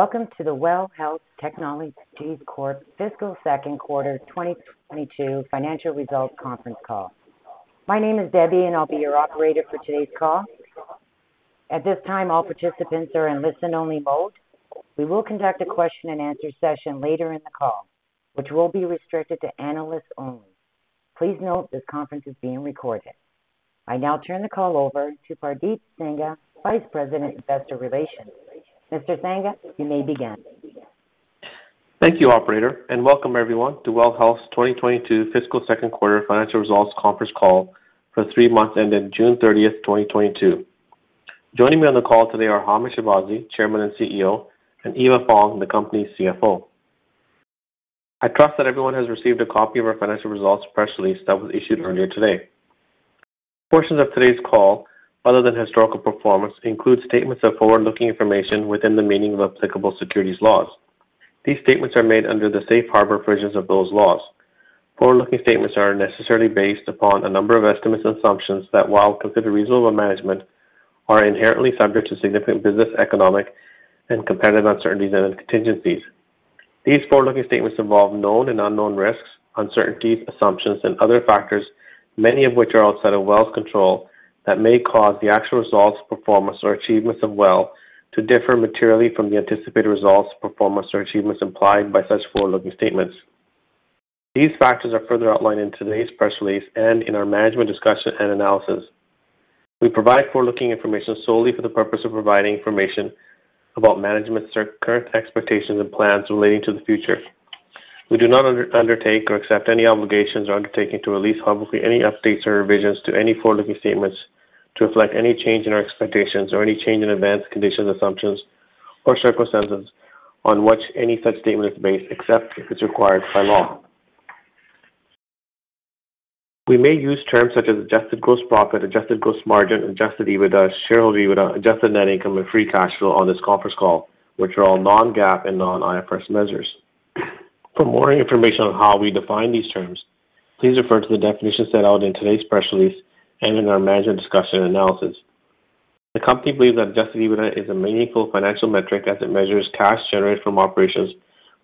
Welcome to the WELL Health Technologies Corp Fiscal Q2 2022 Financial Results Conference Call. My name is Debbie, and I'll be your operator for today's call. At this time, all participants are in listen only mode. We will conduct a question and answer session later in the call, which will be restricted to analysts only. Please note this conference is being recorded. I now turn the call over to Pardeep Sangha, Vice President, Investor Relations. Mr. Sangha, you may begin. Thank you, operator, and welcome everyone to WELL Health's 2022 Fiscal Q2 Financial Results Conference Call for three months ending 30 June, 2022. Joining me on the call today are Hamed Shahbazi, Chairman and CEO, and Eva Fong, the company's CFO. I trust that everyone has received a copy of our financial results press release that was issued earlier today. Portions of today's call other than historical performance include statements of forward-looking information within the meaning of applicable securities laws. These statements are made under the safe harbor provisions of those laws. Forward-looking statements are necessarily based upon a number of estimates and assumptions that while considered reasonable by management, are inherently subject to significant business, economic, and competitive uncertainties and contingencies. These forward-looking statements involve known and unknown risks, uncertainties, assumptions, and other factors, many of which are outside of WELL's control that may cause the actual results, performance or achievements of WELL to differ materially from the anticipated results, performance or achievements implied by such forward-looking statements. These factors are further outlined in today's press release and in our management discussion and analysis. We provide forward-looking information solely for the purpose of providing information about management's current expectations and plans relating to the future. We do not undertake or accept any obligations or undertaking to release publicly any updates or revisions to any forward-looking statements to reflect any change in our expectations or any change in events, conditions, assumptions, or circumstances on which any such statement is based, except if it's required by law. We may use terms such as adjusted gross profit, adjusted gross margin, adjusted EBITDA, share EBITDA, adjusted net income and free cash flow on this conference call, which are all non-GAAP and non-IFRS measures. For more information on how we define these terms, please refer to the definition set out in today's press release and in our management discussion and analysis. The company believes that adjusted EBITDA is a meaningful financial metric as it measures cash generated from operations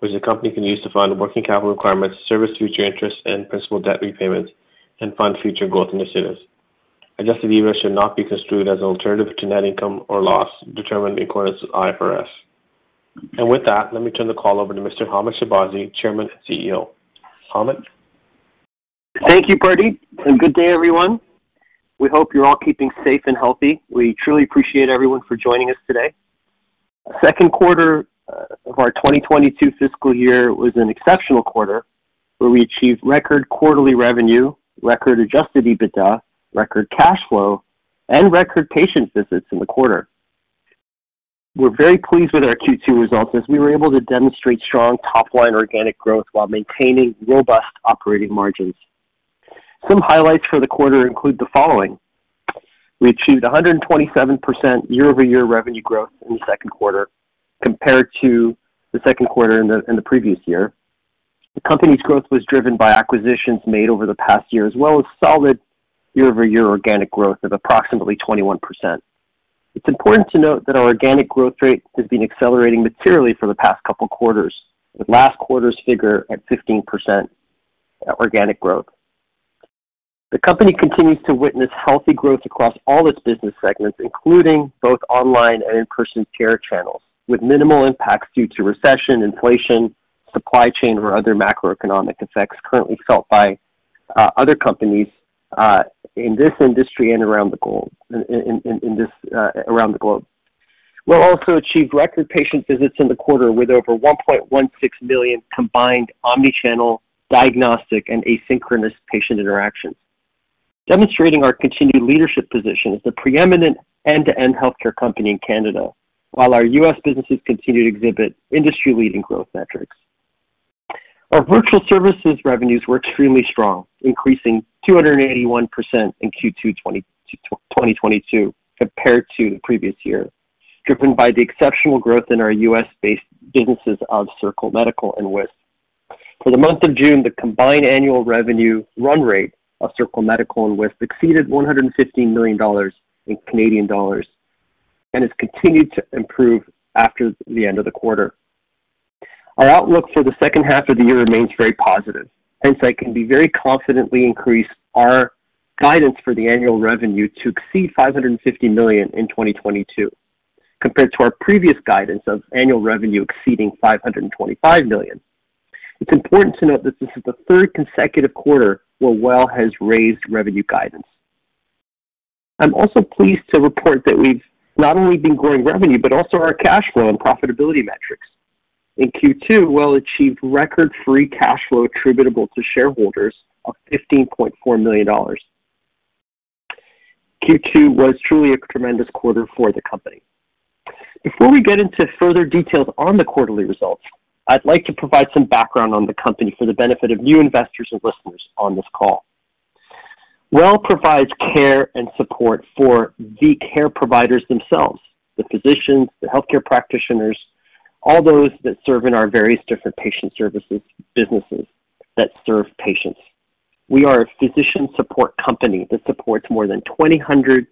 which the company can use to fund working capital requirements, service future interest and principal debt repayments, and fund future growth initiatives. Adjusted EBITDA should not be construed as an alternative to net income or loss determined in accordance with IFRS. With that, let me turn the call over to Mr. Hamed Shahbazi, Chairman and CEO. Hamed. Thank you, Pardeep, and good day, everyone. We hope you're all keeping safe and healthy. We truly appreciate everyone for joining us today. Q2 of our 2022 fiscal year was an exceptional quarter where we achieved record quarterly revenue, record adjusted EBITDA, record cash flow, and record patient visits in the quarter. We're very pleased with our Q2 results as we were able to demonstrate strong top line organic growth while maintaining robust operating margins. Some highlights for the quarter include the following. We achieved 127% year-over-year revenue growth in the Q2 compared to the Q2 in the previous year. The company's growth was driven by acquisitions made over the past year, as well as solid year-over-year organic growth of approximately 21%. It's important to note that our organic growth rate has been accelerating materially for the past couple quarters, with last quarter's figure at 15% organic growth. The company continues to witness healthy growth across all its business segments, including both online and in-person care channels, with minimal impacts due to recession, inflation, supply chain or other macroeconomic effects currently felt by other companies in this industry and around the globe. WELL also achieved record patient visits in the quarter with over 1.16 million combined omni-channel diagnostic and asynchronous patient interactions. Demonstrating our continued leadership position as the preeminent end-to-end healthcare company in Canada, while our US businesses continue to exhibit industry-leading growth metrics. Our virtual services revenues were extremely strong, increasing 281% in Q2 2022 compared to the previous year, driven by the exceptional growth in our US-based businesses of Circle Medical and Wisp. For the month of June, the combined annual revenue run rate of Circle Medical and Wisp exceeded 115 million dollars and has continued to improve after the end of the quarter. Our outlook for the second half of the year remains very positive. Hence, I can be very confidently increase our guidance for the annual revenue to exceed 550 million in 2022 compared to our previous guidance of annual revenue exceeding 525 million. It's important to note that this is the third consecutive quarter where WELL has raised revenue guidance. I'm also pleased to report that we've not only been growing revenue, but also our cash flow and profitability metrics. In Q2, WELL achieved record free cash flow attributable to shareholders of 15.4 million dollars. Q2 was truly a tremendous quarter for the company. Before we get into further details on the quarterly results, I'd like to provide some background on the company for the benefit of new investors and listeners on this call. WELL provides care and support for the care providers themselves, the physicians, the healthcare practitioners, all those that serve in our various different patient services businesses that serve patients. We are a physician support company that supports more than 2,300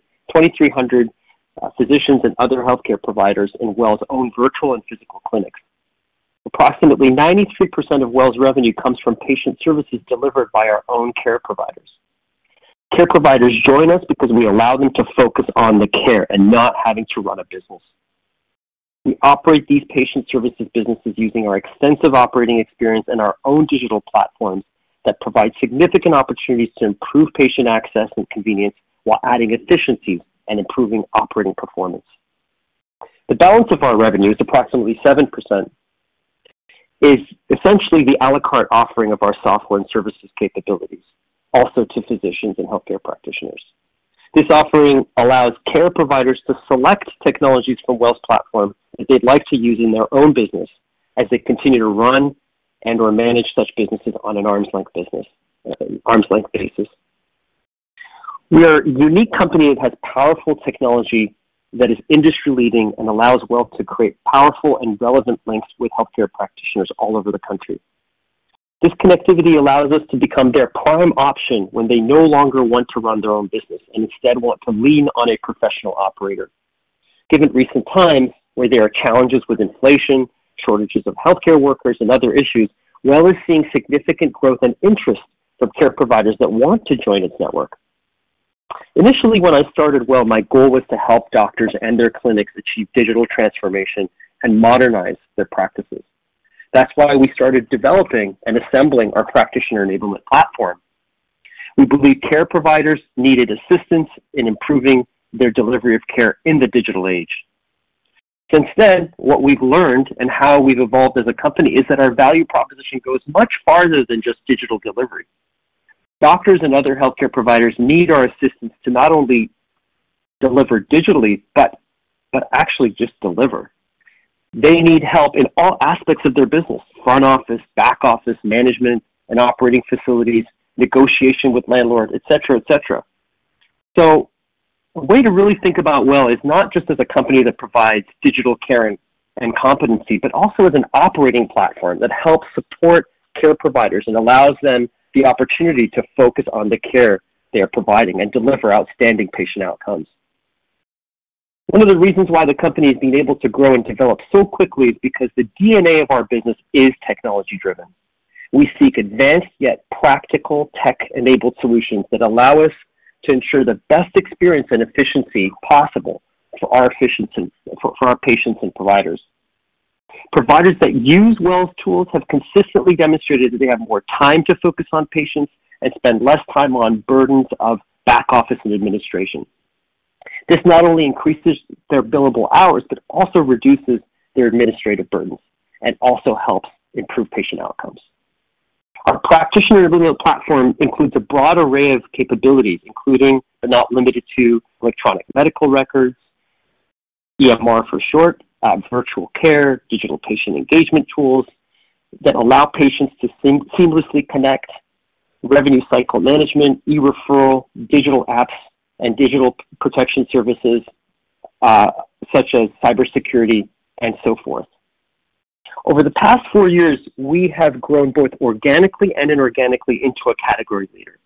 physicians and other healthcare providers in WELL's own virtual and physical clinics. Approximately 93% of WELL's revenue comes from patient services delivered by our own care providers. Care providers join us because we allow them to focus on the care and not having to run a business. We operate these patient services businesses using our extensive operating experience and our own digital platforms that provide significant opportunities to improve patient access and convenience while adding efficiency and improving operating performance. The balance of our revenue is approximately 7%, is essentially the à la carte offering of our software and services capabilities, also to physicians and healthcare practitioners. This offering allows care providers to select technologies from WELL's platform that they'd like to use in their own business as they continue to run and/or manage such businesses on an arm's length basis. We're a unique company that has powerful technology that is industry-leading and allows WELL to create powerful and relevant links with healthcare practitioners all over the country. This connectivity allows us to become their prime option when they no longer want to run their own business and instead want to lean on a professional operator. Given recent times where there are challenges with inflation, shortages of healthcare workers, and other issues, Well is seeing significant growth and interest from care providers that want to join its network. Initially, when I started Well, my goal was to help doctors and their clinics achieve digital transformation and modernize their practices. That's why we started developing and assembling our practitioner enablement platform. We believe care providers needed assistance in improving their delivery of care in the digital age. Since then, what we've learned and how we've evolved as a company is that our value proposition goes much farther than just digital delivery. Doctors and other healthcare providers need our assistance to not only deliver digitally, but actually just deliver. They need help in all aspects of their business, front office, back office, management and operating facilities, negotiation with landlords, et cetera, et cetera. A way to really think about WELL is not just as a company that provides digital care and competency, but also as an operating platform that helps support care providers and allows them the opportunity to focus on the care they are providing and deliver outstanding patient outcomes. One of the reasons why the company has been able to grow and develop so quickly is because the DNA of our business is technology-driven. We seek advanced yet practical tech-enabled solutions that allow us to ensure the best experience and efficiency possible for our patients and providers. Providers that use WELL's tools have consistently demonstrated that they have more time to focus on patients and spend less time on burdens of back office and administration. This not only increases their billable hours, but also reduces their administrative burdens and also helps improve patient outcomes. Our practitioner enablement platform includes a broad array of capabilities, including but not limited to electronic medical records, EMR for short, virtual care, digital patient engagement tools that allow patients to seamlessly connect, revenue cycle management, e-referral, digital apps, and digital protection services, such as cybersecurity and so forth. Over the past four years, we have grown both organically and inorganically into a category leader.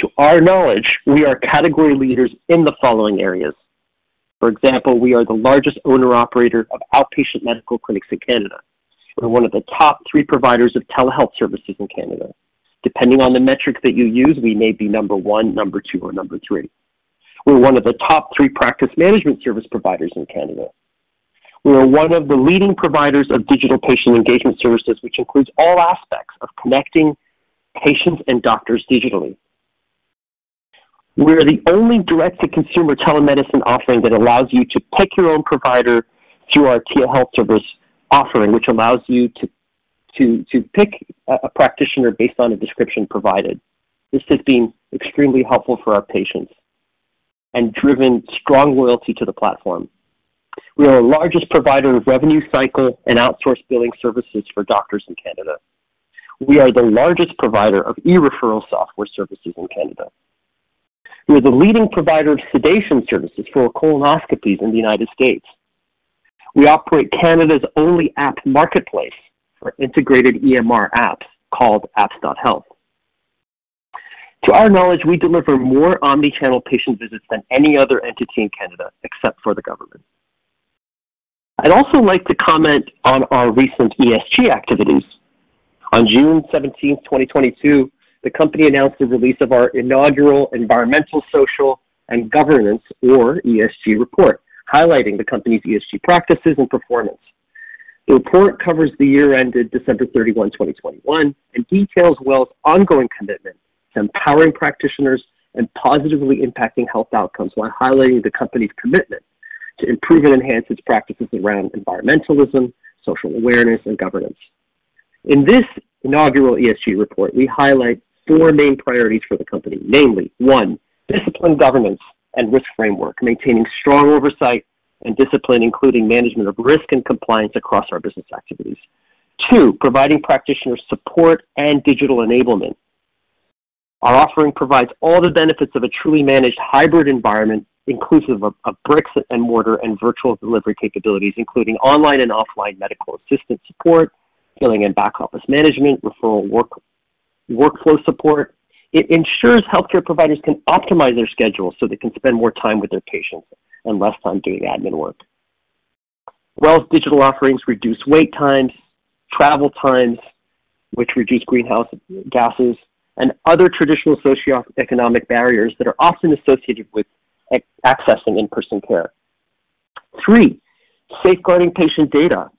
To our knowledge, we are category leaders in the following areas. For example, we are the largest owner-operator of outpatient medical clinics in Canada. We're one of the top three providers of telehealth services in Canada. Depending on the metric that you use, we may be number one, number two, or number three. We're one of the top three practice management service providers in Canada. We are one of the leading providers of digital patient engagement services, which includes all aspects of connecting patients and doctors digitally. We are the only direct-to-consumer telemedicine offering that allows you to pick your own provider through our telehealth service offering, which allows you to pick a practitioner based on a description provided. This has been extremely helpful for our patients and driven strong loyalty to the platform. We are the largest provider of revenue cycle and outsourced billing services for doctors in Canada. We are the largest provider of e-referral software services in Canada. We are the leading provider of sedation services for colonoscopies in the United States. We operate Canada's only app marketplace for integrated EMR apps called apps.health. To our knowledge, we deliver more omni-channel patient visits than any other entity in Canada except for the government. I'd also like to comment on our recent ESG activities. On 17 June, 2022, the company announced the release of our inaugural environmental, social, and governance, or ESG report, highlighting the company's ESG practices and performance. The report covers the year ended 31 December, 2021, and details WELL's ongoing commitment to empowering practitioners and positively impacting health outcomes while highlighting the company's commitment to improve and enhance its practices around environmentalism, social awareness, and governance. In this inaugural ESG report, we highlight four main priorities for the company. Namely, one, disciplined governance and risk framework, maintaining strong oversight and discipline, including management of risk and compliance across our business activities. Two, providing practitioners support and digital enablement. Our offering provides all the benefits of a truly managed hybrid environment inclusive of bricks and mortar and virtual delivery capabilities, including online and offline medical assistance support, billing and back office management, referral workflow support. It ensures healthcare providers can optimize their schedules so they can spend more time with their patients and less time doing admin work. WELL's digital offerings reduce wait times, travel times, which reduce greenhouse gases and other traditional socioeconomic barriers that are often associated with accessing in-person care. Three, safeguarding patient data.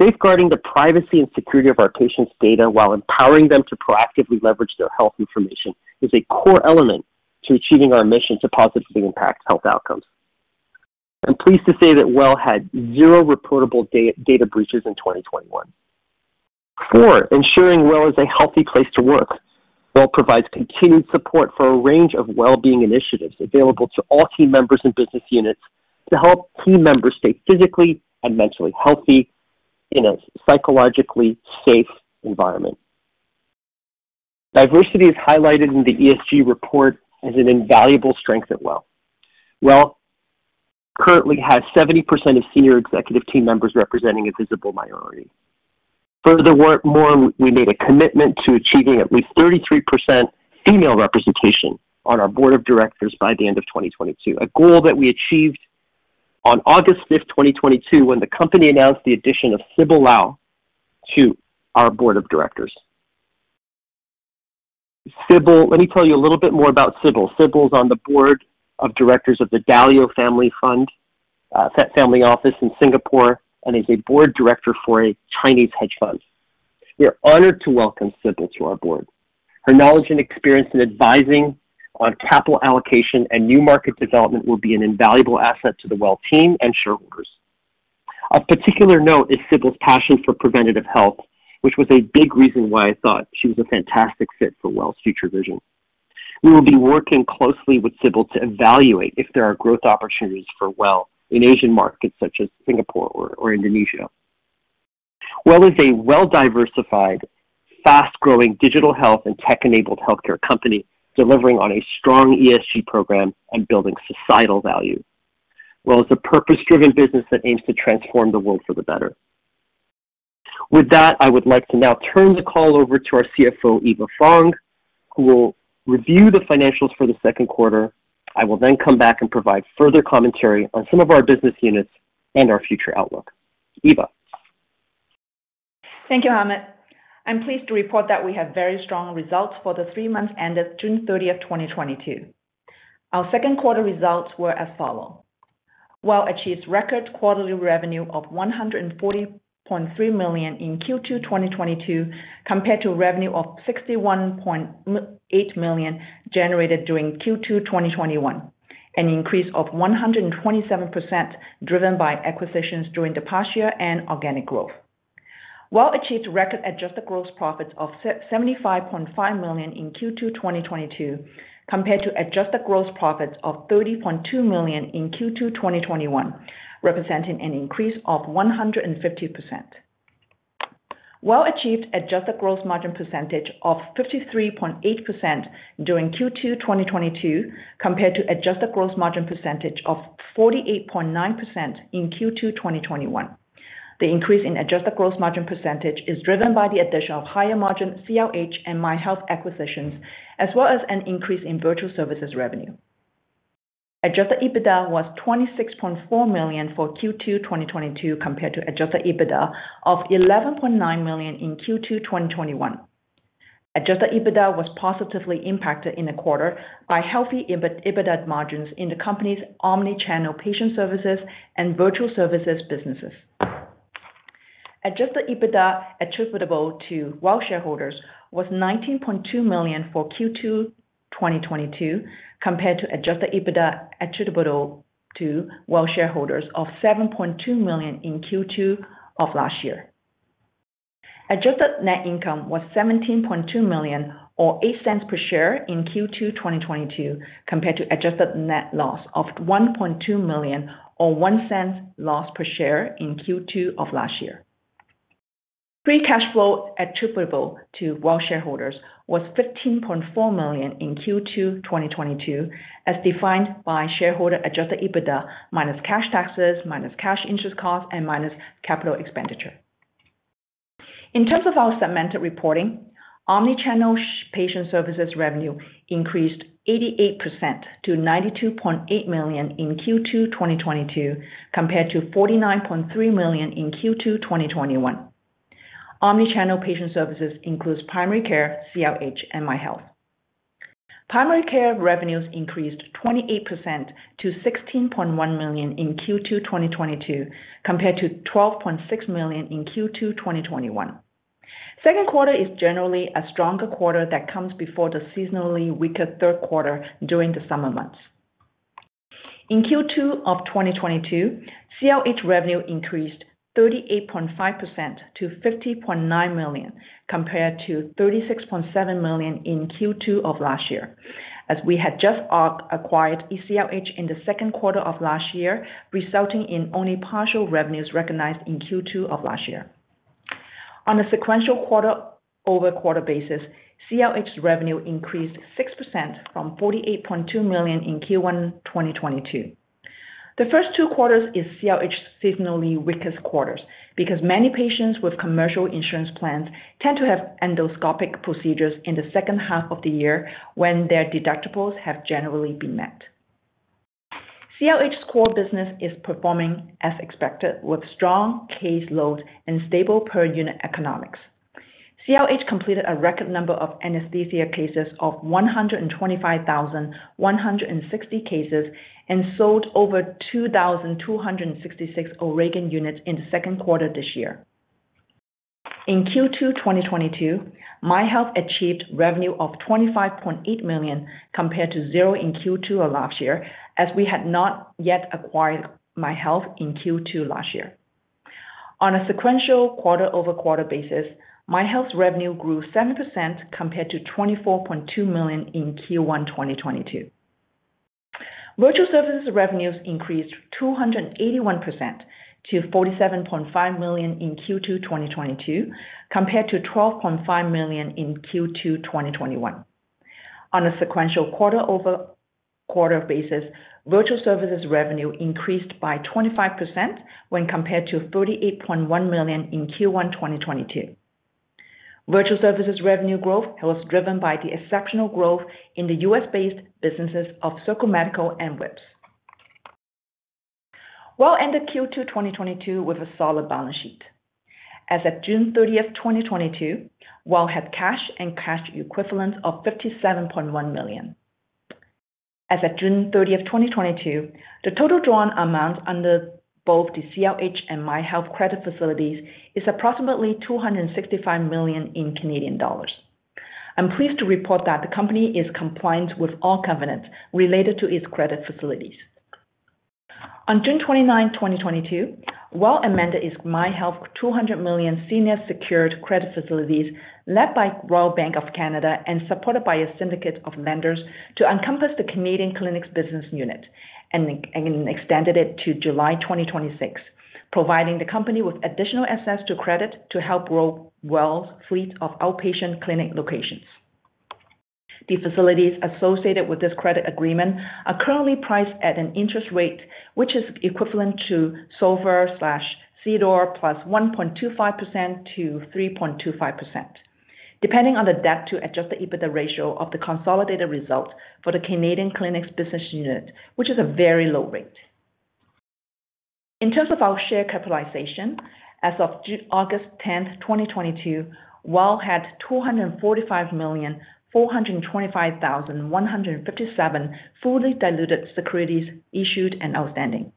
Safeguarding the privacy and security of our patients' data while empowering them to proactively leverage their health information is a core element to achieving our mission to positively impact health outcomes. I'm pleased to say that WELL had zero reportable data breaches in 2021. Four, ensuring WELL is a healthy place to work. WELL provides continued support for a range of well-being initiatives available to all team members and business units to help team members stay physically and mentally healthy in a psychologically safe environment. Diversity is highlighted in the ESG report as an invaluable strength at WELL. WELL currently has 70% of senior executive team members representing a visible minority. Furthermore, we made a commitment to achieving at least 33% female representation on our board of directors by the end of 2022. A goal that we achieved on five August, 2022 when the company announced the addition of Sybil Lau to our board of directors. Let me tell you a little bit more about Sybil. Sybil's on the board of directors of the Dalio Family Office, family office in Singapore, and is a board director for a Chinese hedge fund. We are honored to welcome Sybil to our board. Her knowledge and experience in advising on capital allocation and new market development will be an invaluable asset to the WELL team and shareholders. Of particular note is Sybil's passion for preventative health, which was a big reason why I thought she was a fantastic fit for WELL's future vision. We will be working closely with Sybil to evaluate if there are growth opportunities for WELL in Asian markets such as Singapore or Indonesia. WELL is a well-diversified, fast-growing digital health and tech-enabled healthcare company delivering on a strong ESG program and building societal value. WELL is a purpose-driven business that aims to transform the world for the better. With that, I would like to now turn the call over to our CFO, Eva Fong, who will review the financials for the Q2. I will then come back and provide further commentary on some of our business units and our future outlook. Eva. Thank you, Hamed. I'm pleased to report that we have very strong results for the three months ended 30 June, 2022. Our Q2 results were as follows. WELL achieved record quarterly revenue of 140.3 million in Q2 2022, compared to revenue of 61.8 million generated during Q2 2021. An increase of 127% driven by acquisitions during the past year and organic growth. WELL achieved record adjusted gross profits of 75.5 million in Q2 2022, compared to adjusted gross profits of 30.2 million in Q2 2021, representing an increase of 150%. WELL achieved adjusted gross margin percentage of 53.8% during Q2 2022, compared to adjusted gross margin percentage of 48.9% in Q2 2021. The increase in adjusted gross margin percentage is driven by the addition of higher margin CRH and MyHealth acquisitions, as well as an increase in virtual services revenue. Adjusted EBITDA was 26.4 million for Q2 2022, compared to adjusted EBITDA of 11.9 million in Q2 2021. Adjusted EBITDA was positively impacted in the quarter by healthy EBITDA margins in the company's omni-channel patient services and virtual services businesses. Adjusted EBITDA attributable to Well shareholders was 19.2 million for Q2 2022, compared to adjusted EBITDA attributable to Well shareholders of 7.2 million in Q2 of last year. Adjusted net income was 17.2 million or 0.08 per share in Q2 2022, compared to adjusted net loss of 1.2 million or 0.01 loss per share in Q2 of last year. Free cash flow attributable to WELL shareholders was 15.4 million in Q2 2022, as defined by shareholder adjusted EBITDA minus cash taxes, minus cash interest costs, and minus capital expenditure. In terms of our segmented reporting, omni-channel patient services revenue increased 88% to 92.8 million in Q2 2022, compared to 49.3 million in Q2 2021. Omni-channel patient services includes primary care, CRH, and MyHealth. Primary care revenues increased 28% to 16.1 million in Q2 2022, compared to 12.6 million in Q2 2021. Q2 is generally a stronger quarter that comes before the seasonally weaker Q1 during the summer months. In Q2 of 2022, CRH revenue increased 38.5% to $50.9 million, compared to $36.7 million in Q2 of last year, as we had just acquired CRH in the Q2 of last year, resulting in only partial revenues recognized in Q2 of last year. On a sequential quarter-over-quarter basis, CRH's revenue increased 6% from $48.2 million in Q1 2022. The first two quarters is CRH seasonally weakest quarters because many patients with commercial insurance plans tend to have endoscopic procedures in the second half of the year when their deductibles have generally been met. CRH's core business is performing as expected with strong caseload and stable per unit economics. CRH completed a record number of anesthesia cases of 125,160 cases and sold over 2,266 O'Regan units in the Q2 this year. In Q2 2022, MyHealth achieved revenue of 25.8 million compared to 0 in Q2 of last year, as we had not yet acquired MyHealth in Q2 last year. On a sequential quarter-over-quarter basis, MyHealth's revenue grew 7% compared to 24.2 million in Q1 2022. Virtual services revenues increased 281% to 47.5 million in Q2 2022, compared to 12.5 million in Q2 2021. On a sequential quarter-over-quarter basis, virtual services revenue increased by 25% when compared to 38.1 million in Q1 2022. Virtual services revenue growth was driven by the exceptional growth in the U.S.-based businesses of Circle Medical and Wisp. Well ended Q2 2022 with a solid balance sheet. As of 30 June, 2022, Well had cash and cash equivalents of 57.1 million. As of 30 June, 2022, the total drawn amount under both the CRH and MyHealth credit facilities is approximately 265 million. I'm pleased to report that the company is compliant with all covenants related to its credit facilities. On 29 June, 2022, WELL amended its MyHealth 200 million senior secured credit facilities led by Royal Bank of Canada and supported by a syndicate of lenders to encompass the Canadian Clinics business unit and extended it to July 2026, providing the company with additional access to credit to help grow WELL's fleet of outpatient clinic locations. The facilities associated with this credit agreement are currently priced at an interest rate which is equivalent to SOFR/CDOR plus 1.25% to 3.25%, depending on the debt to adjusted EBITDA ratio of the consolidated results for the Canadian Clinics business unit, which is a very low rate. In terms of our share capitalization, as of 10 August, 2022, WELL had 245,425,157 fully diluted securities issued and outstanding.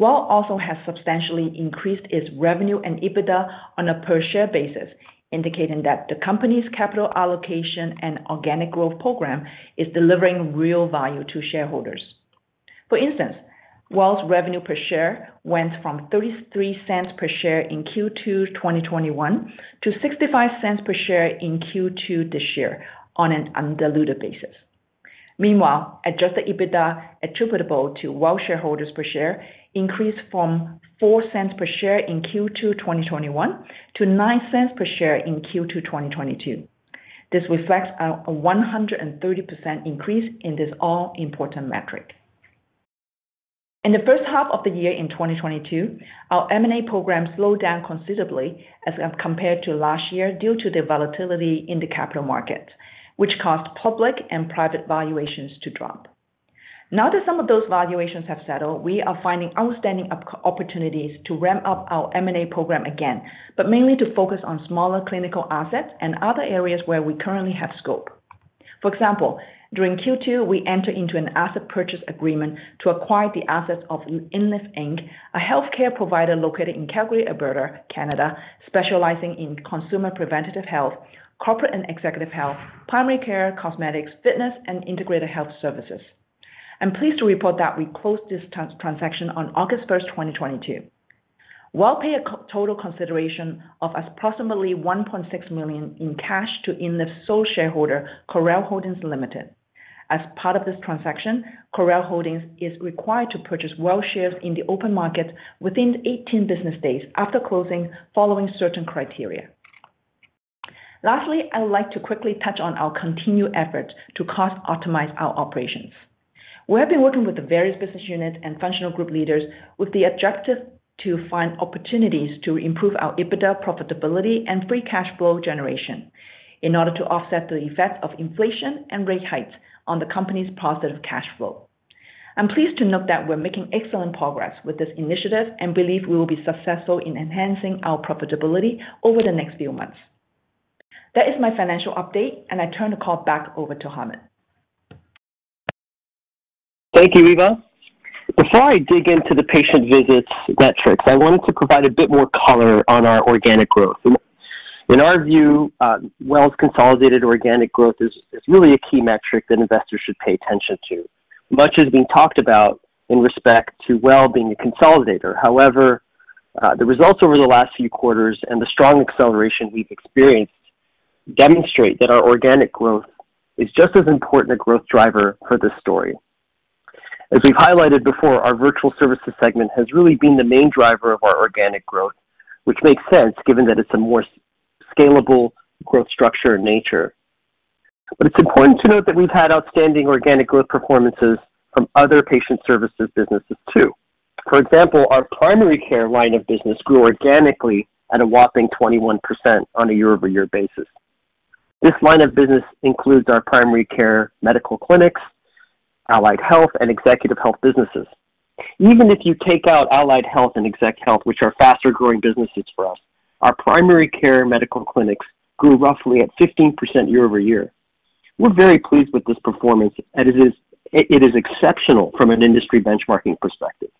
WELL also has substantially increased its revenue and EBITDA on a per share basis, indicating that the company's capital allocation and organic growth program is delivering real value to shareholders. For instance, WELL's revenue per share went from 0.33 per share in Q2 2021 to 0.65 per share in Q2 this year on an undiluted basis. Meanwhile, adjusted EBITDA attributable to WELL shareholders per share increased from 0.04 per share in Q2 2021 to 0.09 per share in Q2 2022. This reflects a 130% increase in this all-important metric. In the first half of the year in 2022, our M&A program slowed down considerably as compared to last year due to the volatility in the capital markets, which caused public and private valuations to drop. Now that some of those valuations have settled, we are finding outstanding opportunities to ramp up our M&A program again, but mainly to focus on smaller clinical assets and other areas where we currently have scope. For example, during Q2, we entered into an asset purchase agreement to acquire the assets of INLIV Inc., a healthcare provider located in Calgary, Alberta, Canada, specializing in consumer preventative health, corporate and executive health, primary care, cosmetics, fitness, and integrated health services. I'm pleased to report that we closed this transaction on August first, 2022. WELL paid a total consideration of approximately 1.6 million in cash to INLIV's sole shareholder, Coril Holdings Ltd. As part of this transaction, Coril Holdings is required to purchase WELL shares in the open market within 18 business days after closing, following certain criteria. Lastly, I would like to quickly touch on our continued efforts to cost optimize our operations. We have been working with the various business unit and functional group leaders with the objective to find opportunities to improve our EBITDA profitability and free cash flow generation in order to offset the effects of inflation and rate hikes on the company's positive cash flow. I'm pleased to note that we're making excellent progress with this initiative and believe we will be successful in enhancing our profitability over the next few months. That is my financial update, and I turn the call back over to Hamed. Thank you, Eva. Before I dig into the patient visits metrics, I wanted to provide a bit more color on our organic growth. In our view, WELL's consolidated organic growth is really a key metric that investors should pay attention to. Much has been talked about in respect to WELL being a consolidator. However, the results over the last few quarters and the strong acceleration we've experienced demonstrate that our organic growth is just as important a growth driver for this story. As we've highlighted before, our virtual services segment has really been the main driver of our organic growth, which makes sense given that it's a more scalable growth structure in nature. It's important to note that we've had outstanding organic growth performances from other patient services businesses too. For example, our primary care line of business grew organically at a whopping 21% on a year-over-year basis. This line of business includes our primary care medical clinics, allied health, and executive health businesses. Even if you take out allied health and exec health, which are faster growing businesses for us, our primary care medical clinics grew roughly at 15% year-over-year. We're very pleased with this performance, and it is exceptional from an industry benchmarking perspective.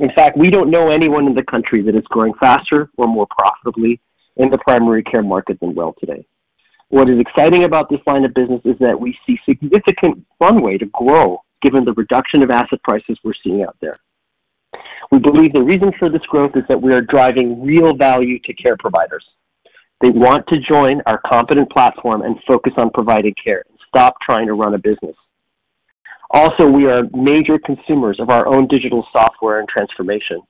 In fact, we don't know anyone in the country that is growing faster or more profitably in the primary care market than WELL today. What is exciting about this line of business is that we see significant runway to grow given the reduction of asset prices we're seeing out there. We believe the reason for this growth is that we are driving real value to care providers. They want to join our complement platform and focus on providing care and stop trying to run a business. Also, we are major consumers of our own digital software and transformation,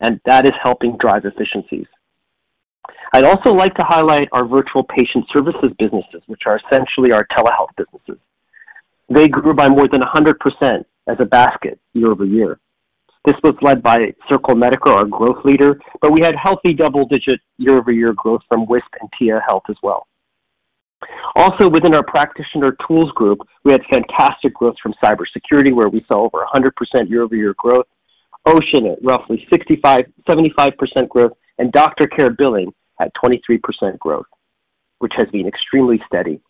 and that is helping drive efficiencies. I'd also like to highlight our virtual patient services businesses, which are essentially our telehealth businesses. They grew by more than 100% as a basket year-over-year. This was led by Circle Medical, our growth leader, but we had healthy double-digit year-over-year growth from Wisp and Tia Health as well. Also within our practitioner tools group, we had fantastic growth from cybersecurity, where we saw over 100% year-over-year growth, Ocean at roughly 65% to 75% growth, and DoctorCare Billing at 23% growth, which has been extremely steady.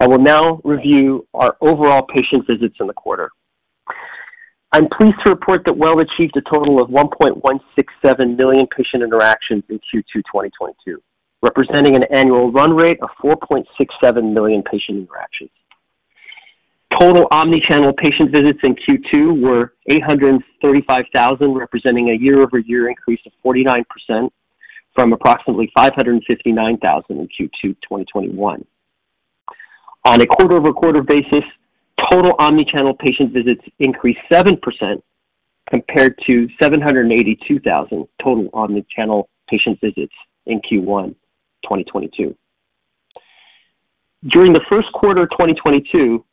I will now review our overall patient visits in the quarter. I'm pleased to report that WELL achieved a total of 1.167 million patient interactions in Q2 2022, representing an annual run rate of 4.67 million patient interactions. Total omnichannel patient visits in Q2 were 835,000, representing a year-over-year increase of 49% from approximately 559,000 in Q2 2021. On a quarter-over-quarter basis, total omnichannel patient visits increased 7% compared to 782,000 total omnichannel patient visits in Q1 2022. During the Q1 of 2022,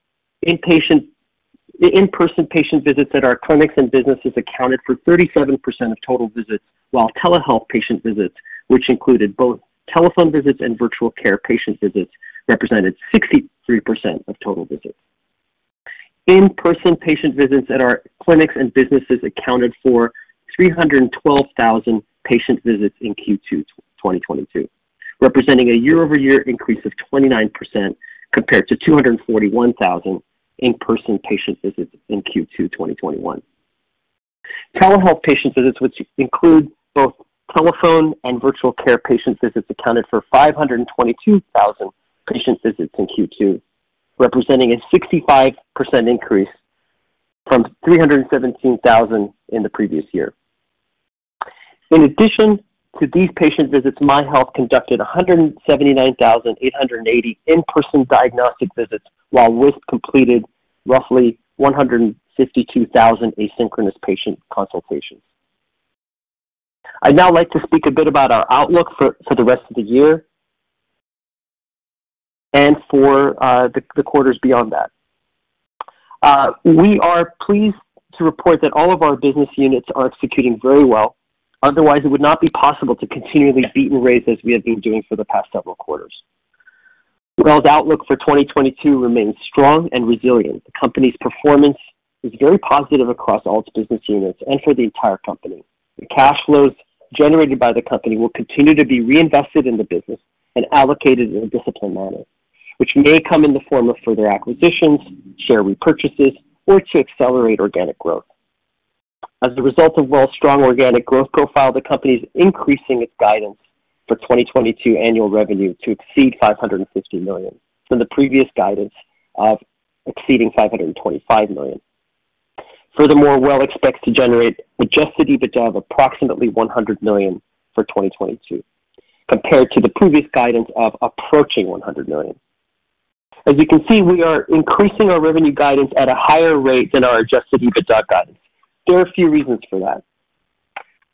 in-person patient visits at our clinics and businesses accounted for 37% of total visits, while telehealth patient visits, which included both telephone visits and virtual care patient visits, represented 63% of total visits. In-person patient visits at our clinics and businesses accounted for 312,000 patient visits in Q2 2022, representing a year-over-year increase of 29% compared to 241,000 in-person patient visits in Q2 2021. Telehealth patient visits, which include both telephone and virtual care patient visits accounted for 522,000 patient visits in Q2, representing a 65% increase from 317,000 in the previous year. In addition to these patient visits, MyHealth conducted 179,880 in-person diagnostic visits, while Wisp completed roughly 152,000 asynchronous patient consultations. I'd now like to speak a bit about our outlook for the rest of the year and for the quarters beyond that. We are pleased to report that all of our business units are executing very well, otherwise it would not be possible to continually beat and raise as we have been doing for the past several quarters. WELL's outlook for 2022 remains strong and resilient. The company's performance is very positive across all its business units and for the entire company. The cash flows generated by the company will continue to be reinvested in the business and allocated in a disciplined manner, which may come in the form of further acquisitions, share repurchases, or to accelerate organic growth. As a result of WELL's strong organic growth profile, the company is increasing its guidance for 2022 annual revenue to exceed 550 million from the previous guidance of exceeding 525 million. Furthermore, WELL expects to generate adjusted EBITDA of approximately 100 million for 2022 compared to the previous guidance of approaching 100 million. As you can see, we are increasing our revenue guidance at a higher rate than our adjusted EBITDA guidance. There are a few reasons for that.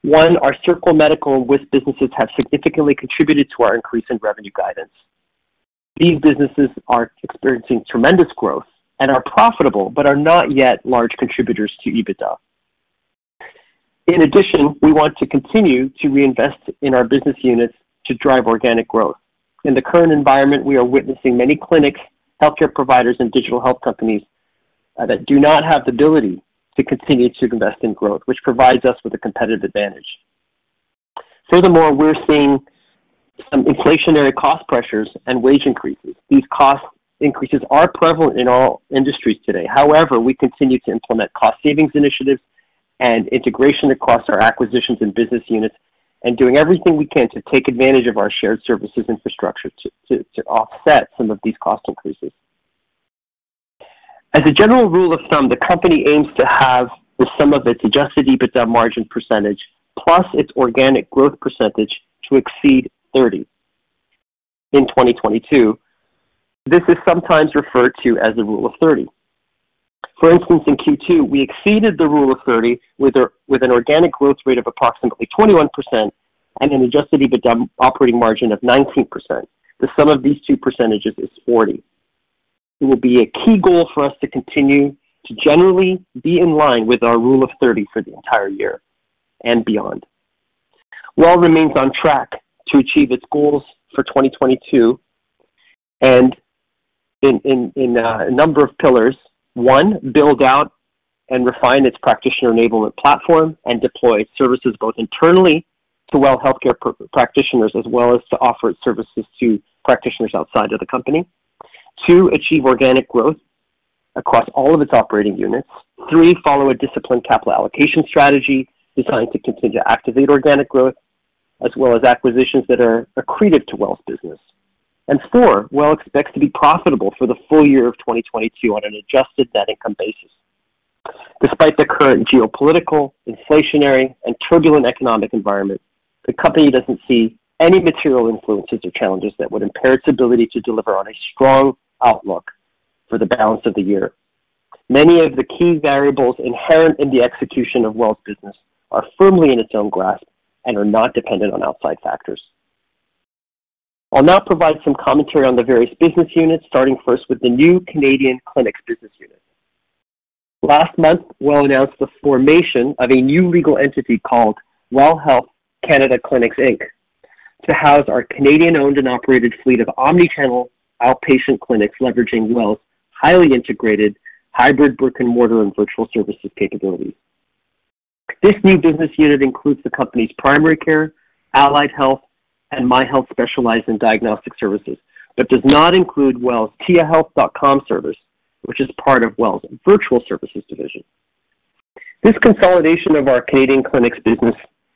One, our Circle Medical and Wisp businesses have significantly contributed to our increase in revenue guidance. These businesses are experiencing tremendous growth and are profitable, but are not yet large contributors to EBITDA. In addition, we want to continue to reinvest in our business units to drive organic growth. In the current environment, we are witnessing many clinic healthcare providers and digital health companies that do not have the ability to continue to invest in growth, which provides us with a competitive advantage. Furthermore, we're seeing some inflationary cost pressures and wage increases. These cost increases are prevalent in all industries today. However, we continue to implement cost savings initiatives and integration across our acquisitions and business units and doing everything we can to take advantage of our shared services infrastructure to offset some of these cost increases. As a general rule of thumb, the company aims to have the sum of its adjusted EBITDA margin percentage plus its organic growth percentage to exceed 30 in 2022. This is sometimes referred to as the rule of thirty. For instance, in Q2, we exceeded the rule of thirty with an organic growth rate of approximately 21% and an adjusted EBITDA operating margin of 19%. The sum of these two percentages is 40. It will be a key goal for us to continue to generally be in line with our rule of thirty for the entire year and beyond. WELL remains on track to achieve its goals for 2022 and in a number of pillars. One, build out and refine its practitioner enablement platform and deploy services both internally to WELL Health practitioners as well as to offer services to practitioners outside of the company. Two, achieve organic growth across all of its operating units. Three, follow a disciplined capital allocation strategy designed to continue to activate organic growth as well as acquisitions that are accretive to WELL's business. Four, WELL expects to be profitable for the full year of 2022 on an adjusted net income basis. Despite the current geopolitical, inflationary, and turbulent economic environment, the company doesn't see any material influences or challenges that would impair its ability to deliver on a strong outlook for the balance of the year. Many of the key variables inherent in the execution of WELL's business are firmly in its own grasp and are not dependent on outside factors. I'll now provide some commentary on the various business units, starting first with the new Canadian Clinics business unit. Last month, WELL announced the formation of a new legal entity called WELL Health Canada Clinics Inc. to house our Canadian owned and operated fleet of omni-channel outpatient clinics leveraging WELL's highly integrated hybrid brick and mortar and virtual services capabilities. This new business unit includes the company's primary care, allied health, and MyHealth specialized in diagnostic services, but does not include WELL's tiahealth.com service, which is part of WELL's virtual services division. This consolidation of our Canadian Clinics business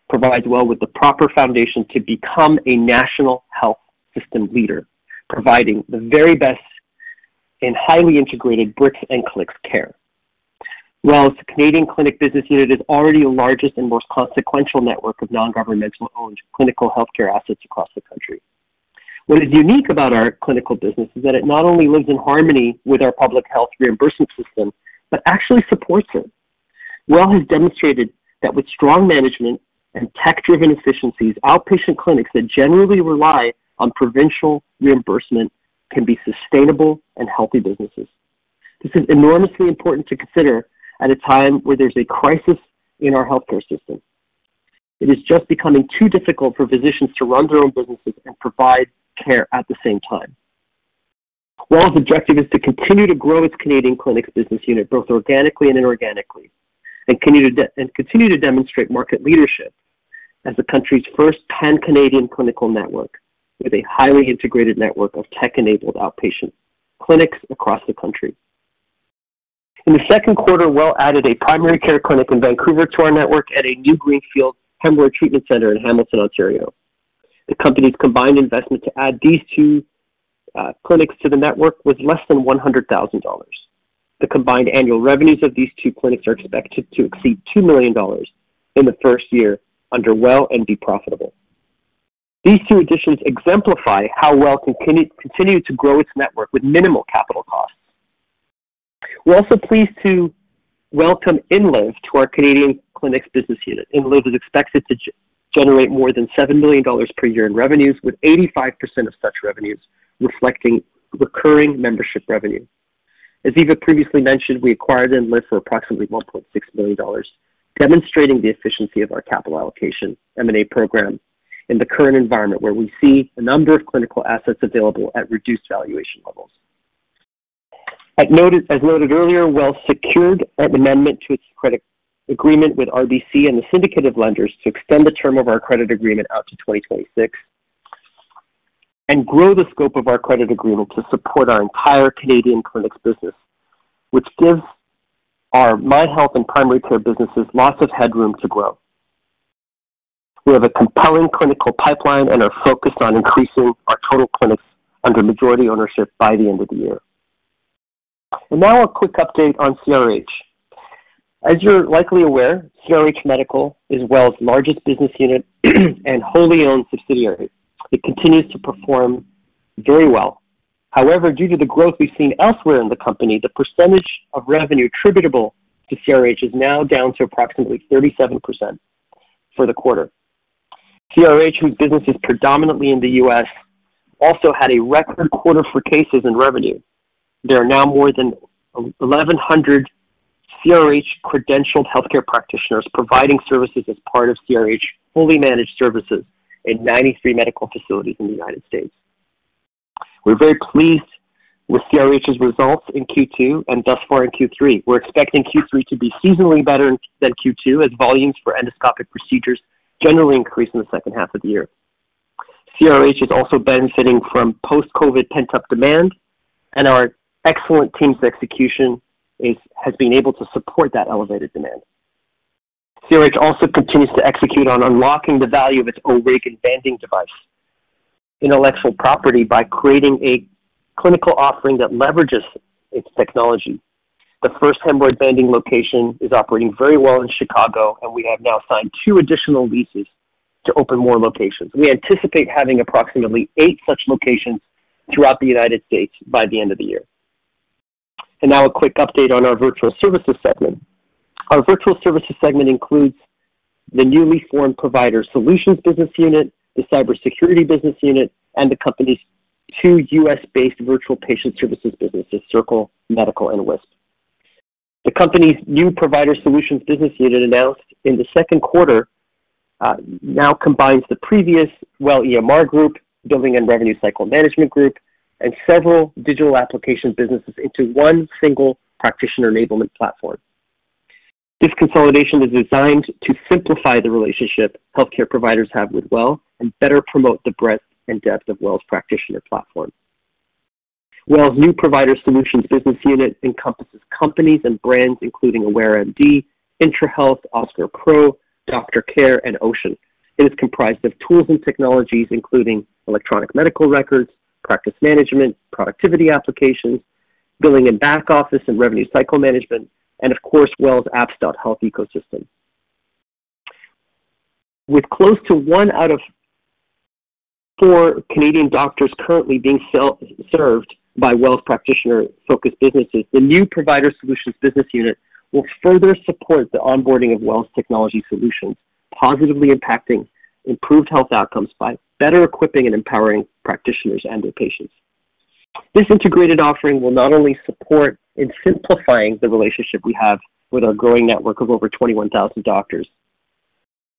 provides WELL with the proper foundation to become a national health system leader, providing the very best in highly integrated bricks and clicks care. WELL's Canadian Clinic business unit is already the largest and most consequential network of non-governmental owned clinical healthcare assets across the country. What is unique about our clinical business is that it not only lives in harmony with our public health reimbursement system, but actually supports it. WELL has demonstrated that with strong management and tech-driven efficiencies, outpatient clinics that generally rely on provincial reimbursement can be sustainable and healthy businesses. This is enormously important to consider at a time where there's a crisis in our healthcare system. It is just becoming too difficult for physicians to run their own businesses and provide care at the same time. WELL's objective is to continue to grow its Canadian Clinics business unit, both organically and inorganically, and continue to demonstrate market leadership as the country's first pan-Canadian clinical network with a highly integrated network of tech-enabled outpatient clinics across the country. In the Q2, WELL added a primary care clinic in Vancouver to our network at a new greenfield hemorrhoid treatment center in Hamilton, Ontario. The company's combined investment to add these two clinics to the network was less than 100,000 dollars. The combined annual revenues of these two clinics are expected to exceed 2 million dollars in the first year under WELL and be profitable. These two additions exemplify how WELL can continue to grow its network with minimal capital costs. We're also pleased to welcome INLIV to our Canadian Clinics business unit. INLIV is expected to generate more than 7 million dollars per year in revenues, with 85% of such revenues reflecting recurring membership revenue. As Eva previously mentioned, we acquired INLIV for approximately 1.6 million dollars, demonstrating the efficiency of our capital allocation M&A program in the current environment where we see a number of clinical assets available at reduced valuation levels. As noted earlier, WELL secured an amendment to its credit agreement with RBC and the syndicate of lenders to extend the term of our credit agreement out to 2026 and grow the scope of our credit agreement to support our entire Canadian clinics business, which gives our MyHealth and primary care businesses lots of headroom to grow. We have a compelling clinical pipeline and are focused on increasing our total clinics under majority ownership by the end of the year. Now a quick update on CRH. As you're likely aware, CRH Medical is WELL's largest business unit and wholly owned subsidiary. It continues to perform very well. However, due to the growth we've seen elsewhere in the company, the percentage of revenue attributable to CRH is now down to approximately 37% for the quarter. CRH, whose business is predominantly in the US, also had a record quarter for cases and revenue. There are now more than eleven hundred CRH credentialed healthcare practitioners providing services as part of CRH fully managed services in 93 medical facilities in the United States. We're very pleased with CRH's results in Q2 and thus far in Q3. We're expecting Q3 to be seasonally better than Q2 as volumes for endoscopic procedures generally increase in the second half of the year. CRH is also benefiting from post-COVID pent-up demand and our excellent team's execution has been able to support that elevated demand. CRH also continues to execute on unlocking the value of its O'Regan banding device intellectual property by creating a clinical offering that leverages its technology. The first hemorrhoid banding location is operating very well in Chicago, and we have now signed two additional leases to open more locations. We anticipate having approximately eight such locations throughout the United States by the end of the year. Now a quick update on our virtual services segment. Our virtual services segment includes the newly formed Provider Solutions business unit, the Cybersecurity business unit, and the company's two U.S.-based virtual patient services businesses, Circle Medical and Wisp. The company's new Provider Solutions business unit announced in the Q2, now combines the previous WELL EMR Group, billing and revenue cycle management group, and several digital application businesses into one single practitioner enablement platform. This consolidation is designed to simplify the relationship healthcare providers have with WELL and better promote the breadth and depth of WELL's practitioner platform. WELL's new Provider Solutions business unit encompasses companies and brands including Aware MD, Intrahealth, OSCAR Pro, DoctorCare and Ocean. It is comprised of tools and technologies including electronic medical records, practice management, productivity applications, billing and back-office and revenue cycle management, and of course, WELL's apps.health ecosystem. With close to one out of four Canadian doctors currently being served by WELL's practitioner-focused businesses, the new Provider Solutions business unit will further support the onboarding of WELL's technology solutions, positively impacting improved health outcomes by better equipping and empowering practitioners and their patients. This integrated offering will not only support in simplifying the relationship we have with our growing network of over 21,000 doctors,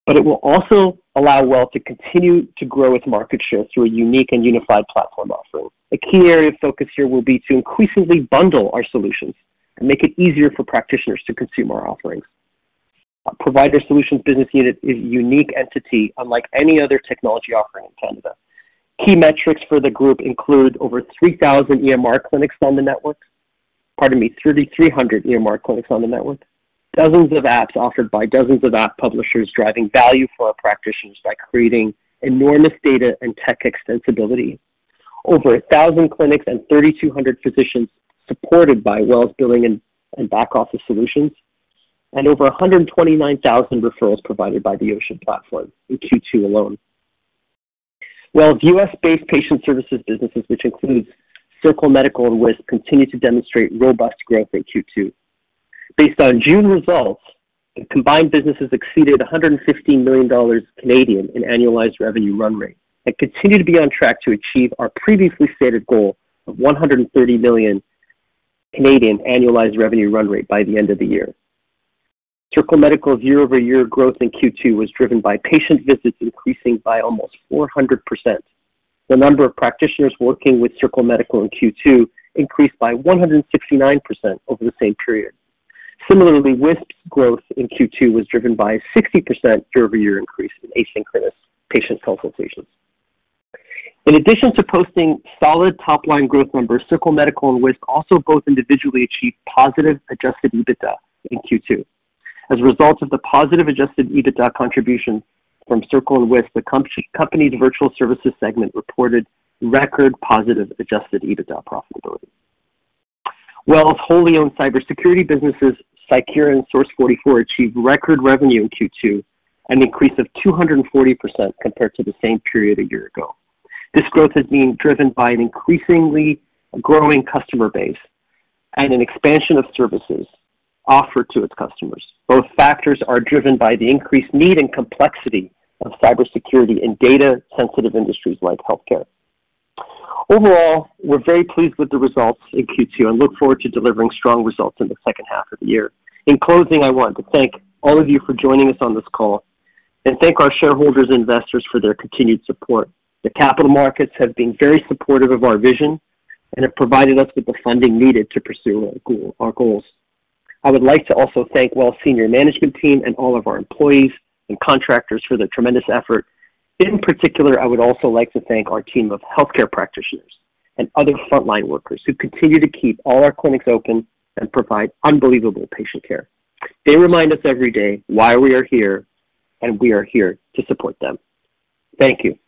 but it will also allow WELL to continue to grow its market share through a unique and unified platform offering. A key area of focus here will be to increasingly bundle our solutions and make it easier for practitioners to consume our offerings. Our Provider Solutions business unit is a unique entity unlike any other technology offering in Canada. Key metrics for the group include over 3,000 EMR clinics on the network. Pardon me, 300 EMR clinics on the network. Dozens of apps offered by dozens of app publishers driving value for our practitioners by creating enormous data and tech extensibility. Over 1,000 clinics and 3,200 physicians supported by WELL's billing and back office solutions. Over 129,000 referrals provided by the Ocean platform in Q2 alone. WELL's U.S.-based patient services businesses, which includes Circle Medical and Wisp, continue to demonstrate robust growth in Q2. Based on June results, the combined businesses exceeded 150 million Canadian dollars in annualized revenue run rate and continue to be on track to achieve our previously stated goal of 130 million annualized revenue run rate by the end of the year. Circle Medical's year-over-year growth in Q2 was driven by patient visits increasing by almost 400%. The number of practitioners working with Circle Medical in Q2 increased by 169% over the same period. Similarly, Wisp's growth in Q2 was driven by a 60% year-over-year increase in asynchronous patient consultations. In addition to posting solid top-line growth numbers, Circle Medical and Wisp also both individually achieved positive adjusted EBITDA in Q2. As a result of the positive adjusted EBITDA contribution from Circle and Wisp, the company's virtual services segment reported record positive adjusted EBITDA profitability. Well's wholly owned cybersecurity businesses, Cycura and Source 44, achieved record revenue in Q2, an increase of 240% compared to the same period a year ago. This growth has been driven by an increasingly growing customer base and an expansion of services offered to its customers. Both factors are driven by the increased need and complexity of cybersecurity in data-sensitive industries like healthcare. Overall, we're very pleased with the results in Q2 and look forward to delivering strong results in the second half of the year. In closing, I want to thank all of you for joining us on this call and thank our shareholders and investors for their continued support. The capital markets have been very supportive of our vision and have provided us with the funding needed to pursue our goals. I would like to also thank WELL's senior management team and all of our employees and contractors for their tremendous effort. In particular, I would also like to thank our team of healthcare practitioners and other frontline workers who continue to keep all our clinics open and provide unbelievable patient care. They remind us every day why we are here, and we are here to support them. Thank you.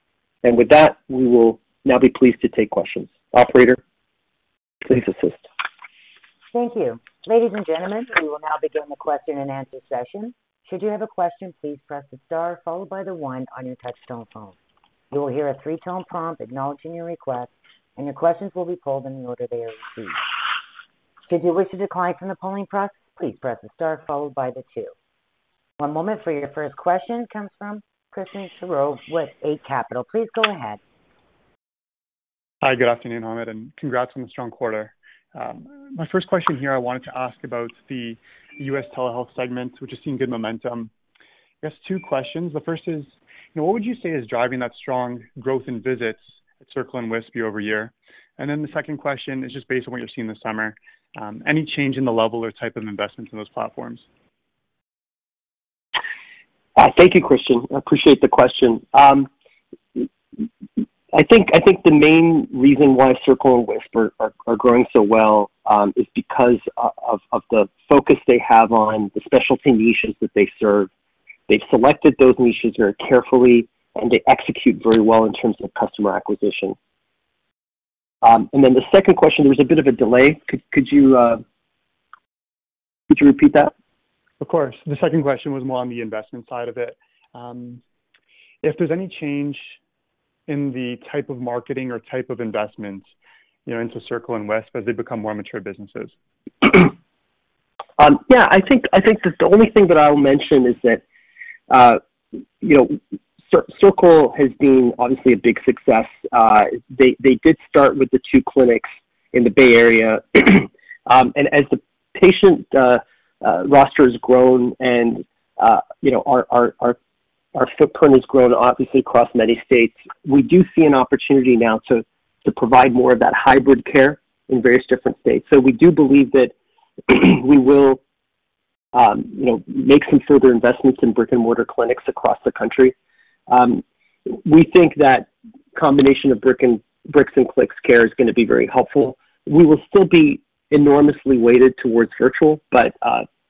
With that, we will now be pleased to take questions. Operator, please assist. Thank you. Ladies and gentlemen, we will now begin the question and answer session. Should you have a question, please press the star followed by the one on your touchtone phone. You will hear a three-tone prompt acknowledging your request, and your questions will be pulled in the order they are received. Should you wish to decline from the polling process, please press the star followed by the two. One moment for your first question. It comes from Christian Sgro with Eight Capital. Please go ahead. Hi. Good afternoon, Hamed, and congrats on the strong quarter. My first question here, I wanted to ask about the US telehealth segment, which has seen good momentum. I guess two questions. The first is, you know, what would you say is driving that strong growth in visits at Circle and Wisp year-over-year? And then the second question is just based on what you're seeing this summer, any change in the level or type of investment in those platforms? Thank you, Christian. I appreciate the question. I think the main reason why Circle and Wisp are growing so well is because of the focus they have on the specialty niches that they serve. They've selected those niches very carefully, and they execute very well in terms of customer acquisition. The second question, there was a bit of a delay. Could you repeat that? Of course. The second question was more on the investment side of it. If there's any change in the type of marketing or type of investment, you know, into Circle and Wisp as they become more mature businesses. Yeah, I think the only thing that I'll mention is that, you know, Circle Medical has been obviously a big success. They did start with the two clinics in the Bay Area. As the patient roster has grown and, you know, our footprint has grown obviously across many states, we do see an opportunity now to provide more of that hybrid care in various different states. We do believe that we will, you know, make some further investments in brick-and-mortar clinics across the country. We think that combination of bricks and clicks care is gonna be very helpful. We will still be enormously weighted towards virtual, but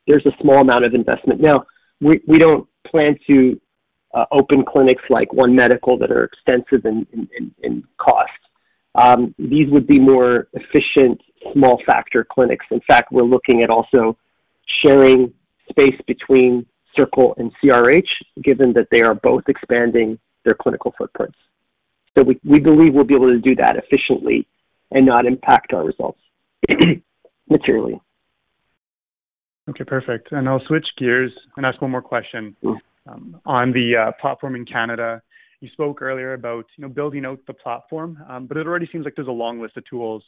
there's a small amount of investment. Now, we don't plan to open clinics like One Medical that are extensive in cost. These would be more efficient small-format clinics. In fact, we're looking at also sharing space between Circle and CRH, given that they are both expanding their clinical footprints. We believe we'll be able to do that efficiently and not impact our results materially. Okay, perfect. I'll switch gears and ask one more question. Mm-hmm. On the platform in Canada, you spoke earlier about, you know, building out the platform, but it already seems like there's a long list of tools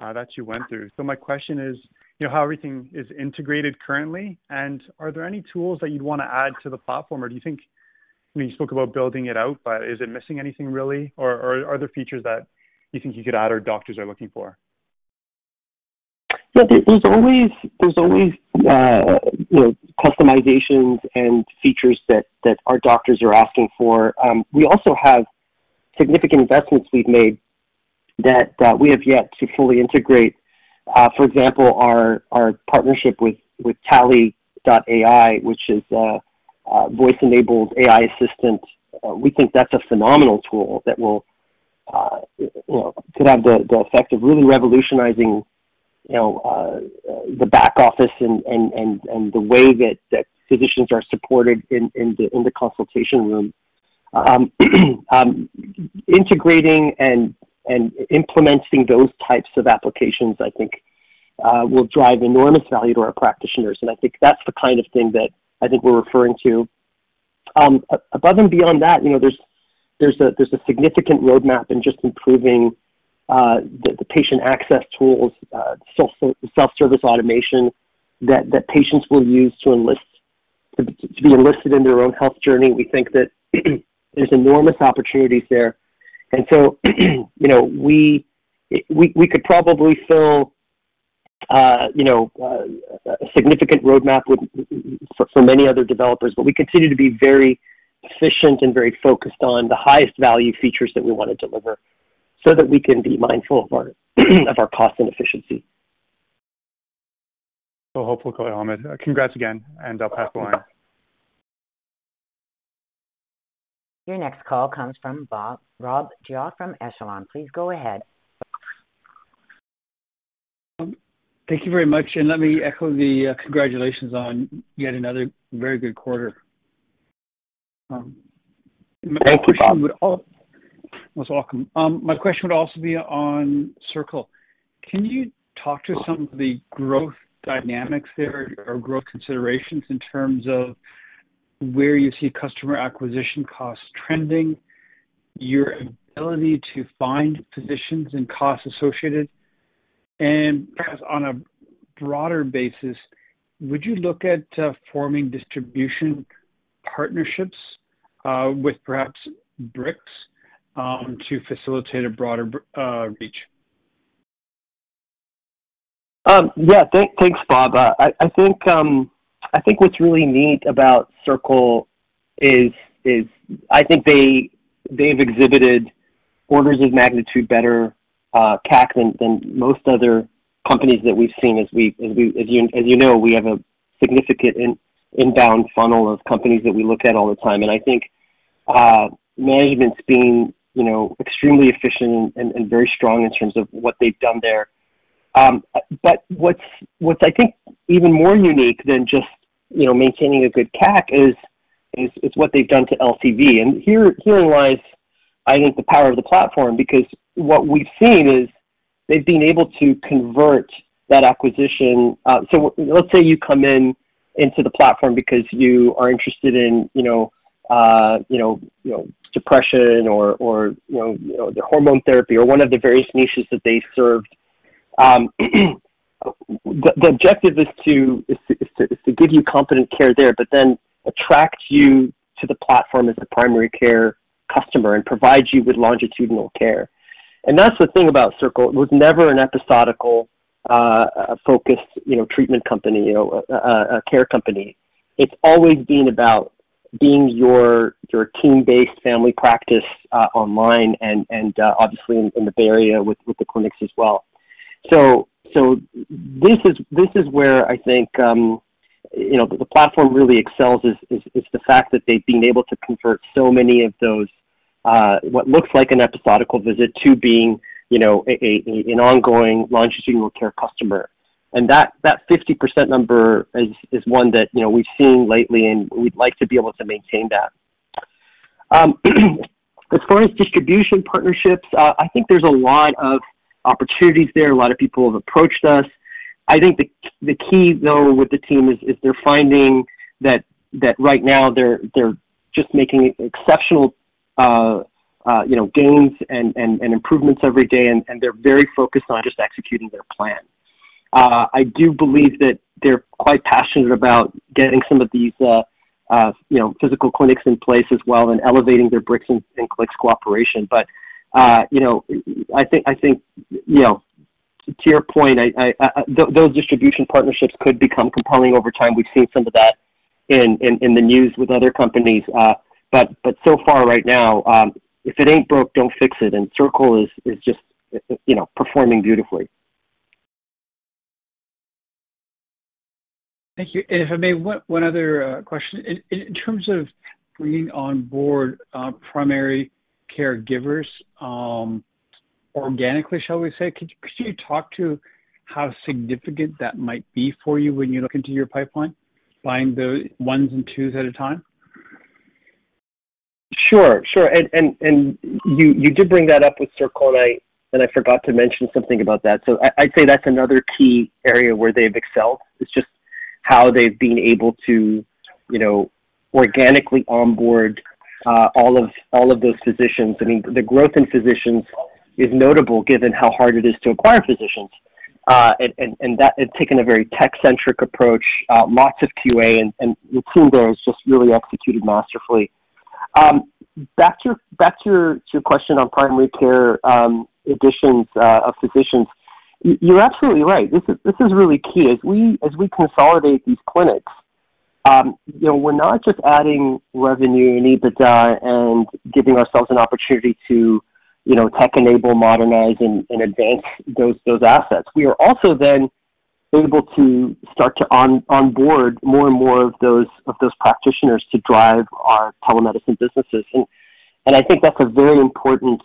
that you went through. So my question is, you know, how everything is integrated currently, and are there any tools that you'd wanna add to the platform? Or do you think I mean, you spoke about building it out, but is it missing anything really? Or are there features that you think you could add or doctors are looking for? Yeah. There's always, you know, customizations and features that our doctors are asking for. We also have significant investments we've made that we have yet to fully integrate. For example, our partnership with Tali.ai, which is a voice-enabled AI assistant. We think that's a phenomenal tool that will, you know, could have the effect of really revolutionizing, you know, the back office and the way that physicians are supported in the consultation room. Integrating and implementing those types of applications, I think, will drive enormous value to our practitioners. I think that's the kind of thing that I think we're referring to. Above and beyond that, you know, there's a significant roadmap in just improving the patient access tools, self-service automation that patients will use to be enlisted into their own health journey. We think that there's enormous opportunities there. You know, we could probably fill a significant roadmap with for many other developers, but we continue to be very efficient and very focused on the highest value features that we wanna deliver so that we can be mindful of our cost and efficiency. Hopeful, Hamed. Congrats again, and I'll pass the line. Your next call comes from Rob Goff from Echelon. Please go ahead. Thank you very much, and let me echo the congratulations on yet another very good quarter. My question would. Thank you, Rob. Most welcome. My question would also be on Circle. Can you talk to some of the growth dynamics there or growth considerations in terms of where you see customer acquisition costs trending, your ability to find physicians and costs associated? Perhaps on a broader basis, would you look at forming distribution partnerships with perhaps bricks to facilitate a broader reach? Thanks, Rob. I think what's really neat about Circle is I think they've exhibited orders of magnitude better CAC than most other companies that we've seen as you know, we have a significant inbound funnel of companies that we look at all the time. I think management's been you know, extremely efficient and very strong in terms of what they've done there. What's I think even more unique than just you know, maintaining a good CAC is what they've done to LTV. Herein lies I think the power of the platform because what we've seen is they've been able to convert that acquisition. Let's say you come in into the platform because you are interested in, you know, you know, depression or you know, the hormone therapy or one of the various niches that they serve. The objective is to give you competent care there, but then attract you to the platform as a primary care customer and provide you with longitudinal care. That's the thing about Circle. It was never an episodic focused, you know, treatment company, you know, a care company. It's always been about being your team-based family practice online and obviously in the Bay Area with the clinics as well. This is where I think, you know, the platform really excels is the fact that they've been able to convert so many of those what looks like an episodic visit to being, you know, a, an ongoing longitudinal care customer. That fifty percent number is one that, you know, we've seen lately, and we'd like to be able to maintain that. As far as distribution partnerships, I think there's a lot of opportunities there. A lot of people have approached us. I think the key though with the team is they're finding that right now they're just making exceptional, you know, gains and improvements every day, and they're very focused on just executing their plan. I do believe that they're quite passionate about getting some of these, you know, physical clinics in place as well, and elevating their bricks and clicks cooperation. You know, I think, you know, to your point, those distribution partnerships could become compelling over time. We've seen some of that in the news with other companies. So far right now, if it ain't broke, don't fix it, and Circle is just, you know, performing beautifully. Thank you. If I may, one other question. In terms of bringing on board primary caregivers organically, shall we say, could you talk to how significant that might be for you when you look into your pipeline, buying the ones and twos at a time? Sure. You did bring that up with Circle, and I forgot to mention something about that. I'd say that's another key area where they've excelled, is just how they've been able to, you know, organically onboard all of those physicians. I mean, the growth in physicians is notable given how hard it is to acquire physicians. And that has taken a very tech-centric approach, lots of QA and the team there has just really executed masterfully. Back to your question on primary care additions of physicians. You're absolutely right. This is really key. As we consolidate these clinics, you know, we're not just adding revenue and EBITDA and giving ourselves an opportunity to, you know, tech enable, modernize, and bank those assets. We are also then able to start to onboard more and more of those practitioners to drive our telemedicine businesses. I think that's a very important,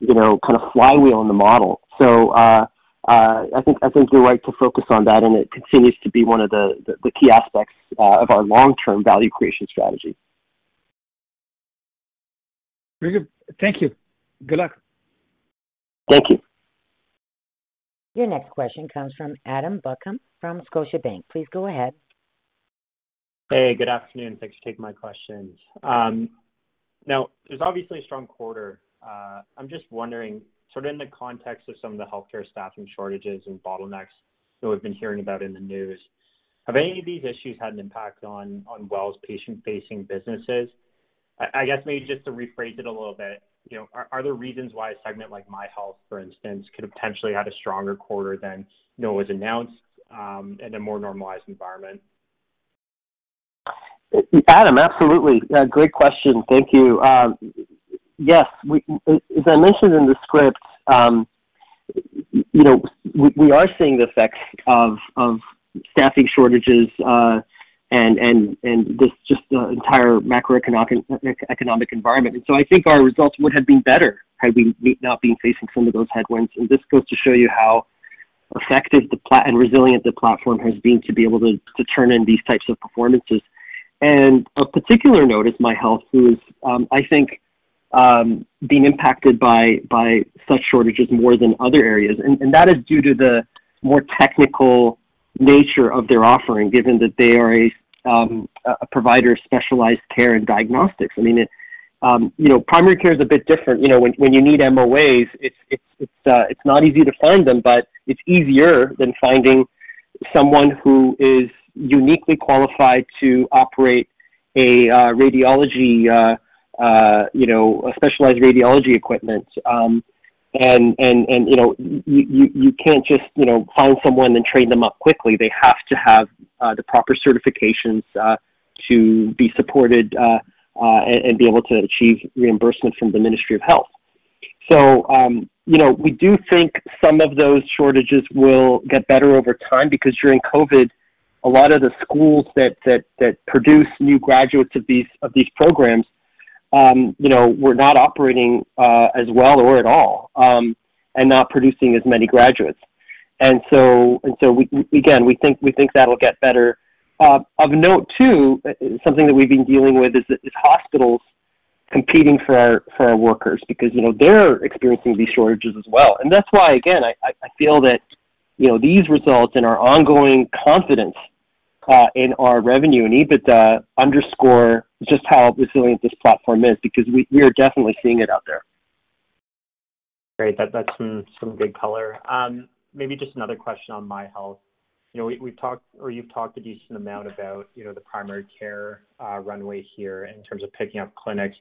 you know, kind of flywheel in the model. I think you're right to focus on that, and it continues to be one of the key aspects of our long-term value creation strategy. Very good. Thank you. Good luck. Thank you. Your next question comes from Adam Buckham from Scotiabank. Please go ahead. Hey, good afternoon. Thanks for taking my questions. Now there's obviously a strong quarter. I'm just wondering, sort of in the context of some of the healthcare staffing shortages and bottlenecks that we've been hearing about in the news, have any of these issues had an impact on WELL's patient-facing businesses? I guess maybe just to rephrase it a little bit, you know, are there reasons why a segment like MyHealth, for instance, could have potentially had a stronger quarter than, you know, was announced, in a more normalized environment? Adam, absolutely. Yeah, great question. Thank you. Yes, we as I mentioned in the script, you know, we are seeing the effects of staffing shortages, and this just entire macroeconomic economic environment. I think our results would have been better had we not been facing some of those headwinds. This goes to show you how effective and resilient the platform has been to be able to turn in these types of performances. Of particular note is MyHealth, who is, I think, being impacted by such shortages more than other areas. That is due to the more technical nature of their offering, given that they are a provider of specialized care and diagnostics. I mean, you know, primary care is a bit different. You know, when you need MOAs, it's not easy to find them, but it's easier than finding someone who is uniquely qualified to operate a radiology, you know, a specialized radiology equipment. You can't just, you know, call someone and train them up quickly. They have to have the proper certifications to be supported and be able to achieve reimbursement from the Ministry of Health. You know, we do think some of those shortages will get better over time because during COVID, a lot of the schools that produce new graduates of these programs were not operating as well or at all and not producing as many graduates. We think that'll get better. Of note too, something that we've been dealing with is hospitals competing for our workers because, you know, they're experiencing these shortages as well. That's why, again, I feel that, you know, these results and our ongoing confidence in our revenue and EBITDA underscore just how resilient this platform is because we are definitely seeing it out there. Great. That's some good color. Maybe just another question on MyHealth. You know, we've talked or you've talked a decent amount about, you know, the primary care runway here in terms of picking up clinics.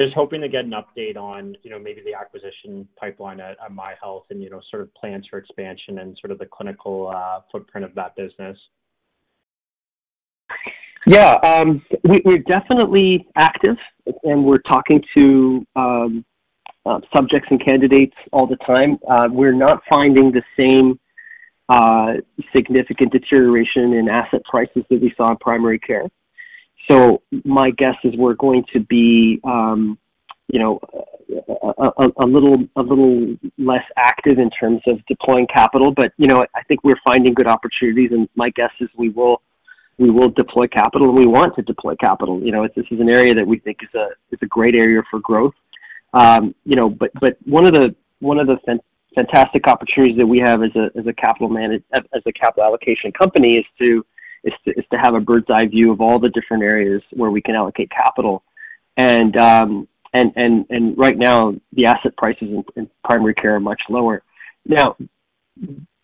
Just hoping to get an update on, you know, maybe the acquisition pipeline at MyHealth and, you know, sort of plans for expansion and sort of the clinical footprint of that business. Yeah. We're definitely active, and we're talking to subjects and candidates all the time. We're not finding the same significant deterioration in asset prices that we saw in primary care. My guess is we're going to be, you know, a little less active in terms of deploying capital. You know, I think we're finding good opportunities, and my guess is we will deploy capital, and we want to deploy capital. You know, this is an area that we think is a great area for growth. One of the fantastic opportunities that we have as a capital allocation company is to have a bird's-eye view of all the different areas where we can allocate capital. Right now, the asset prices in primary care are much lower. Now,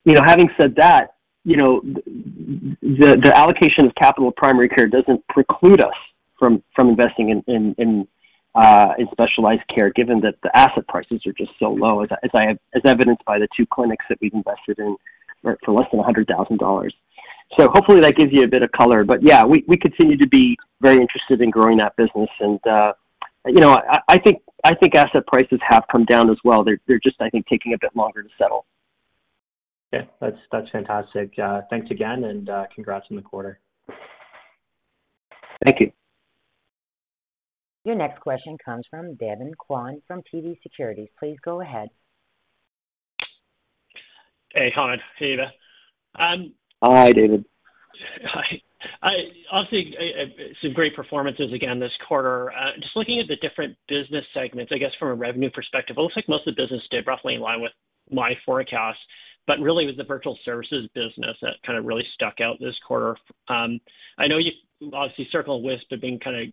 you know, having said that, you know, the allocation of capital primary care doesn't preclude us from investing in specialized care, given that the asset prices are just so low, as evidenced by the two clinics that we've invested in for less than 100,000 dollars. Hopefully that gives you a bit of color. Yeah, we continue to be very interested in growing that business. You know, I think asset prices have come down as well. They're just, I think, taking a bit longer to settle. Okay. That's fantastic. Thanks again, and congrats on the quarter. Thank you. Your next question comes from David Kwan from TD Securities. Please go ahead. Hey, Hamed. Hey, Eva. Hi, David. Hi. Obviously, some great performances again this quarter. Just looking at the different business segments, I guess from a revenue perspective, it looks like most of the business did roughly in line with my forecast, but really it was the virtual services business that kind of really stood out this quarter. I know you've obviously, Circle and Wisp have been kinda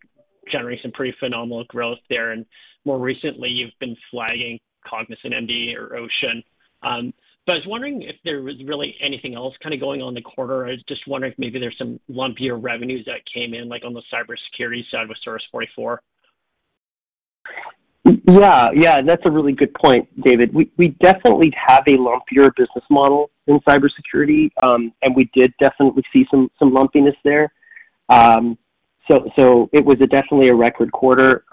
generating some pretty phenomenal growth there, and more recently, you've been flagging CognisantMD or Ocean. But I was wondering if there was really anything else kinda going on in the quarter. I was just wondering if maybe there's some lumpier revenues that came in, like on the cybersecurity side with Source 44. Yeah. Yeah. That's a really good point, David. We definitely have a lumpier business model in cybersecurity, and we did definitely see some lumpiness there. It was definitely a record quarter.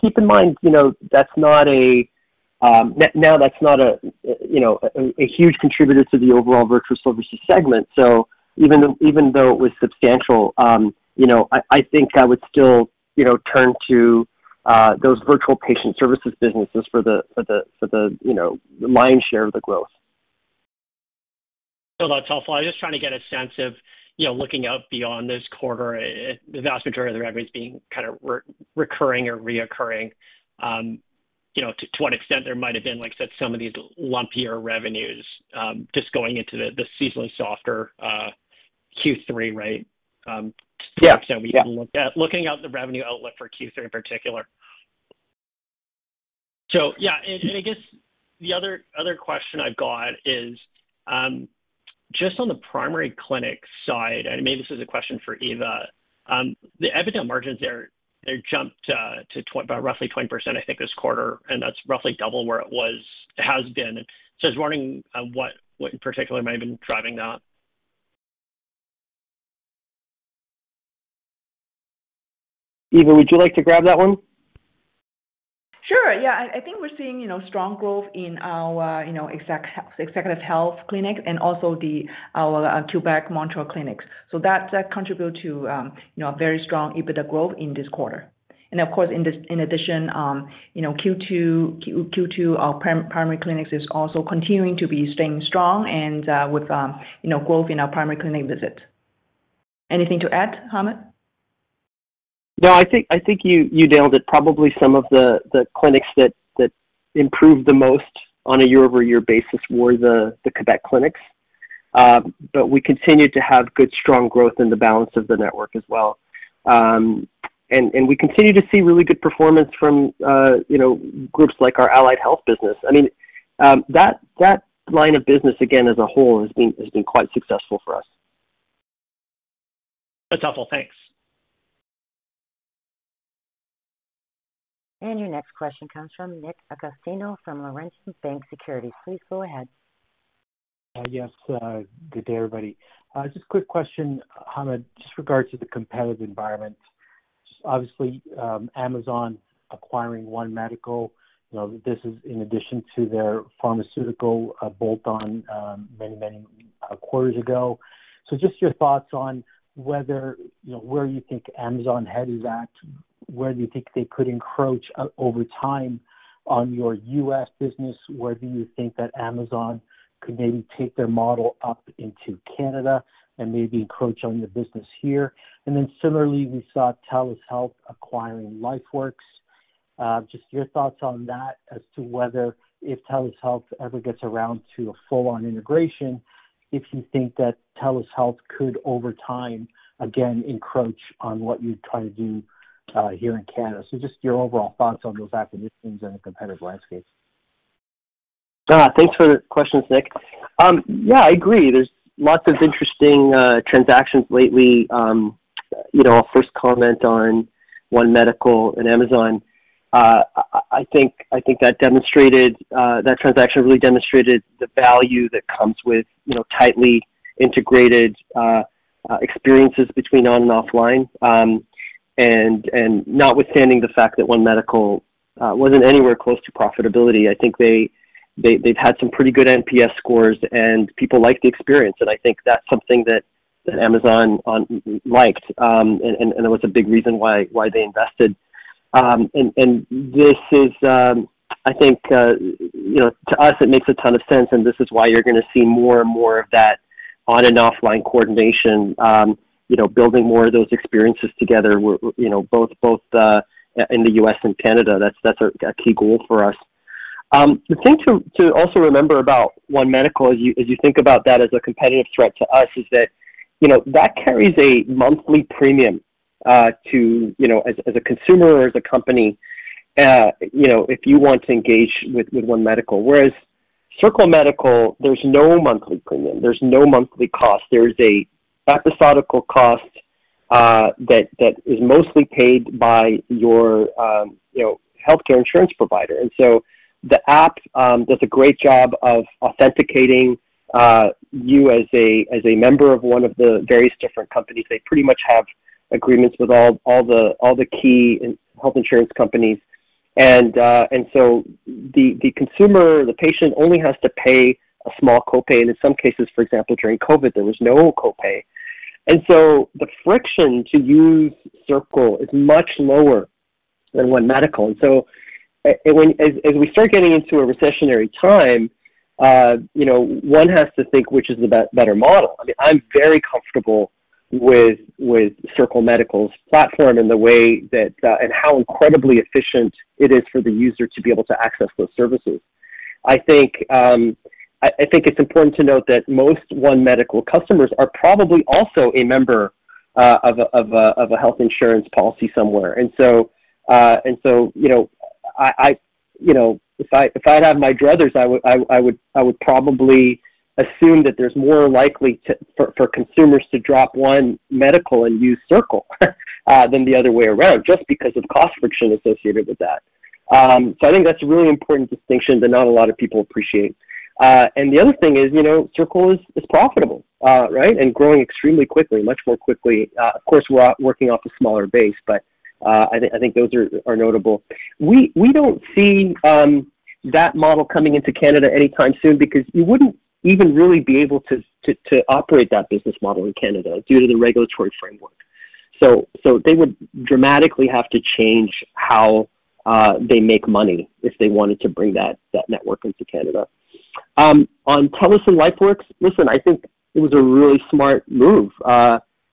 Keep in mind, you know, that's not a huge contributor to the overall virtual services segment. Even though it was substantial, you know, I think I would still, you know, turn to those virtual patient services businesses for the lion's share of the growth. No, that's helpful. I'm just trying to get a sense of, you know, looking out beyond this quarter, the vast majority of the revenues being kind of recurring or reoccurring, you know, to what extent there might have been, like you said, some of these lumpier revenues, just going into the seasonally softer Q3, right. Yeah. To the extent that we can look at. Looking at the revenue outlook for Q3 in particular. Yeah. I guess the other question I've got is just on the primary clinic side, and maybe this is a question for Eva. The EBITDA margins there, they jumped by roughly 20%, I think, this quarter, and that's roughly double where it has been. I was wondering what in particular might have been driving that. Eva, would you like to grab that one? Sure. Yeah. I think we're seeing, you know, strong growth in our, you know, executive health clinic and also our Quebec Montreal clinics. That contribute to, you know, a very strong EBITDA growth in this quarter. Of course, in addition, you know, Q2 our primary clinics is also continuing to be staying strong and with, you know, growth in our primary clinic visits. Anything to add, Hamed? No, I think you nailed it. Probably some of the clinics that improved the most on a year-over-year basis were the Quebec clinics. We continued to have good, strong growth in the balance of the network as well. We continue to see really good performance from you know, groups like our allied health business. I mean, that line of business, again, as a whole has been quite successful for us. That's helpful. Thanks. Your next question comes from Nick Agostino from Laurentian Bank Securities. Please go ahead. Yes. Good day, everybody. Just a quick question, Hamed, just regarding the competitive environment. Obviously, Amazon acquiring One Medical, you know, this is in addition to their pharmaceutical bolt-on many quarters ago. Just your thoughts on whether, you know, where you think Amazon headed at, where do you think they could encroach over time on your US business? Where do you think that Amazon could maybe take their model up into Canada and maybe encroach on your business here? Similarly, we saw TELUS Health acquiring LifeWorks. Just your thoughts on that as to whether if TELUS Health ever gets around to a full-on integration, if you think that TELUS Health could, over time, again, encroach on what you're trying to do here in Canada. Just your overall thoughts on those acquisitions and the competitive landscape. Thanks for the questions, Nick. Yeah, I agree. There's lots of interesting transactions lately. You know, I'll first comment on One Medical and Amazon. I think that transaction really demonstrated the value that comes with, you know, tightly integrated experiences between online and offline. Notwithstanding the fact that One Medical wasn't anywhere close to profitability, I think they've had some pretty good NPS scores and people like the experience, and I think that's something that Amazon liked, and it was a big reason why they invested. I think, you know, to us it makes a ton of sense, and this is why you're gonna see more and more of that online and offline coordination, you know, building more of those experiences together, you know, both in the U.S. and Canada. That's a key goal for us. The thing to also remember about One Medical as you think about that as a competitive threat to us is that, you know, that carries a monthly premium, you know, as a consumer or as a company, you know, if you want to engage with One Medical. Whereas Circle Medical, there's no monthly premium, there's no monthly cost. There's an episodic cost that is mostly paid by your, you know, healthcare insurance provider. The app does a great job of authenticating you as a member of one of the various different companies. They pretty much have agreements with all the key health insurance companies. The consumer, the patient only has to pay a small copay, and in some cases, for example, during COVID, there was no copay. The friction to use Circle is much lower than One Medical. As we start getting into a recessionary time, you know, one has to think which is the better model. I mean, I'm very comfortable with Circle Medical's platform and the way that and how incredibly efficient it is for the user to be able to access those services. I think it's important to note that most One Medical customers are probably also a member of a health insurance policy somewhere. You know, if I'd have my druthers, I would probably assume that there's more likely for consumers to drop One Medical and use Circle Medical than the other way around, just because of cost friction associated with that. I think that's a really important distinction that not a lot of people appreciate. The other thing is, you know, Circle Medical is profitable, right? Growing extremely quickly, much more quickly. Of course, we're working off a smaller base, but I think those are notable. We don't see that model coming into Canada anytime soon because you wouldn't even really be able to operate that business model in Canada due to the regulatory framework. They would dramatically have to change how they make money if they wanted to bring that network into Canada. On TELUS and LifeWorks, listen, I think it was a really smart move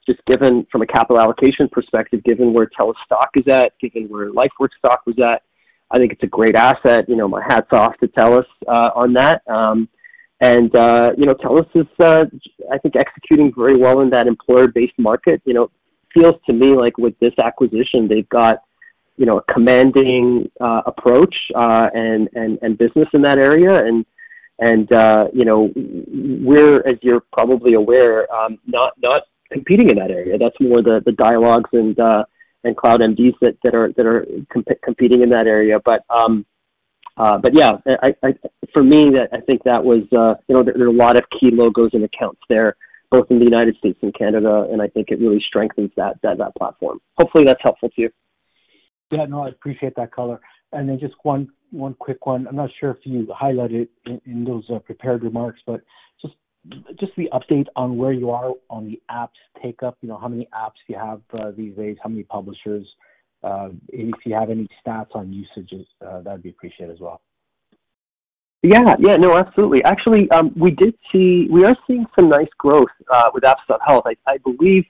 just given from a capital allocation perspective, given where TELUS stock is at, given where LifeWorks stock was at. I think it's a great asset. You know, my hat's off to TELUS on that. You know, TELUS is I think executing very well in that employer-based market. You know, it feels to me like with this acquisition they've got, you know, a commanding approach and business in that area and, you know, we're, as you're probably aware, not competing in that area. That's more the Dialogue and CloudMD that are competing in that area. Yeah, for me, that I think that was, you know, there are a lot of key logos and accounts there, both in the United States and Canada, and I think it really strengthens that platform. Hopefully, that's helpful to you. Yeah, no, I appreciate that color. Just one quick one. I'm not sure if you highlighted in those prepared remarks, but just the update on where you are on the apps take up, you know, how many apps you have these days, how many publishers, if you have any stats on usages, that'd be appreciated as well. Actually, we are seeing some nice growth with apps.health. I believe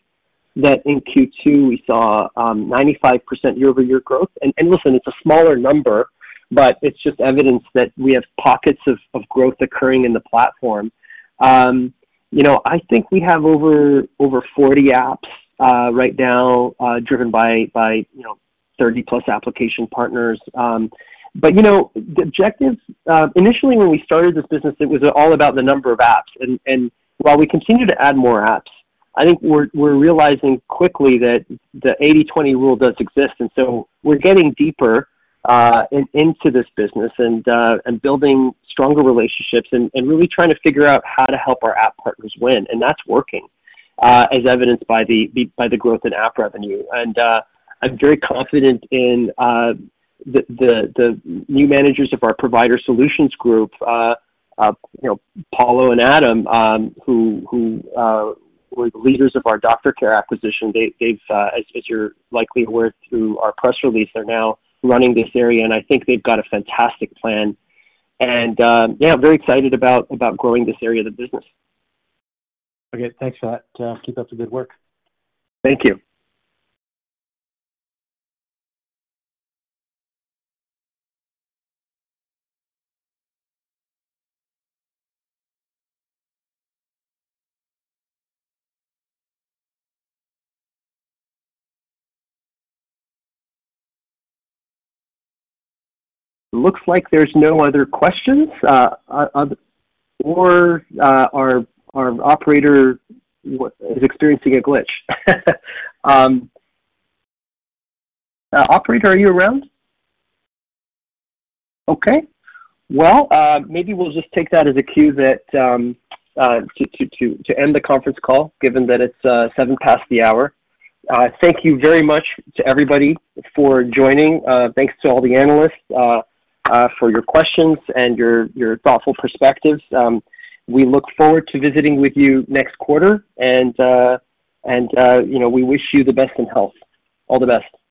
that in Q2 we saw 95% year-over-year growth. Listen, it's a smaller number, but it's just evidence that we have pockets of growth occurring in the platform. You know, I think we have over 40 apps right now, driven by you know, 30+ application partners. But you know, the objective initially when we started this business, it was all about the number of apps. While we continue to add more apps, I think we're realizing quickly that the 80 to 20 rule does exist, and so we're getting deeper into this business and building stronger relationships and really trying to figure out how to help our app partners win, and that's working as evidenced by the growth in app revenue. I'm very confident in the new managers of our Provider Solutions group, you know, Paulo and Adam, who were the leaders of our DoctorCare acquisition. They've, as you're likely aware through our press release, they're now running this area, and I think they've got a fantastic plan. Yeah, I'm very excited about growing this area of the business. Okay. Thanks for that. Keep up the good work. Thank you. Looks like there's no other questions. Our operator is experiencing a glitch. Operator, are you around? Okay. Well, maybe we'll just take that as a cue that to end the conference call, given that it's seven past the hour. Thank you very much to everybody for joining. Thanks to all the analysts for your questions and your thoughtful perspectives. We look forward to visiting with you next quarter and you know, we wish you the best in health. All the best. Thank you.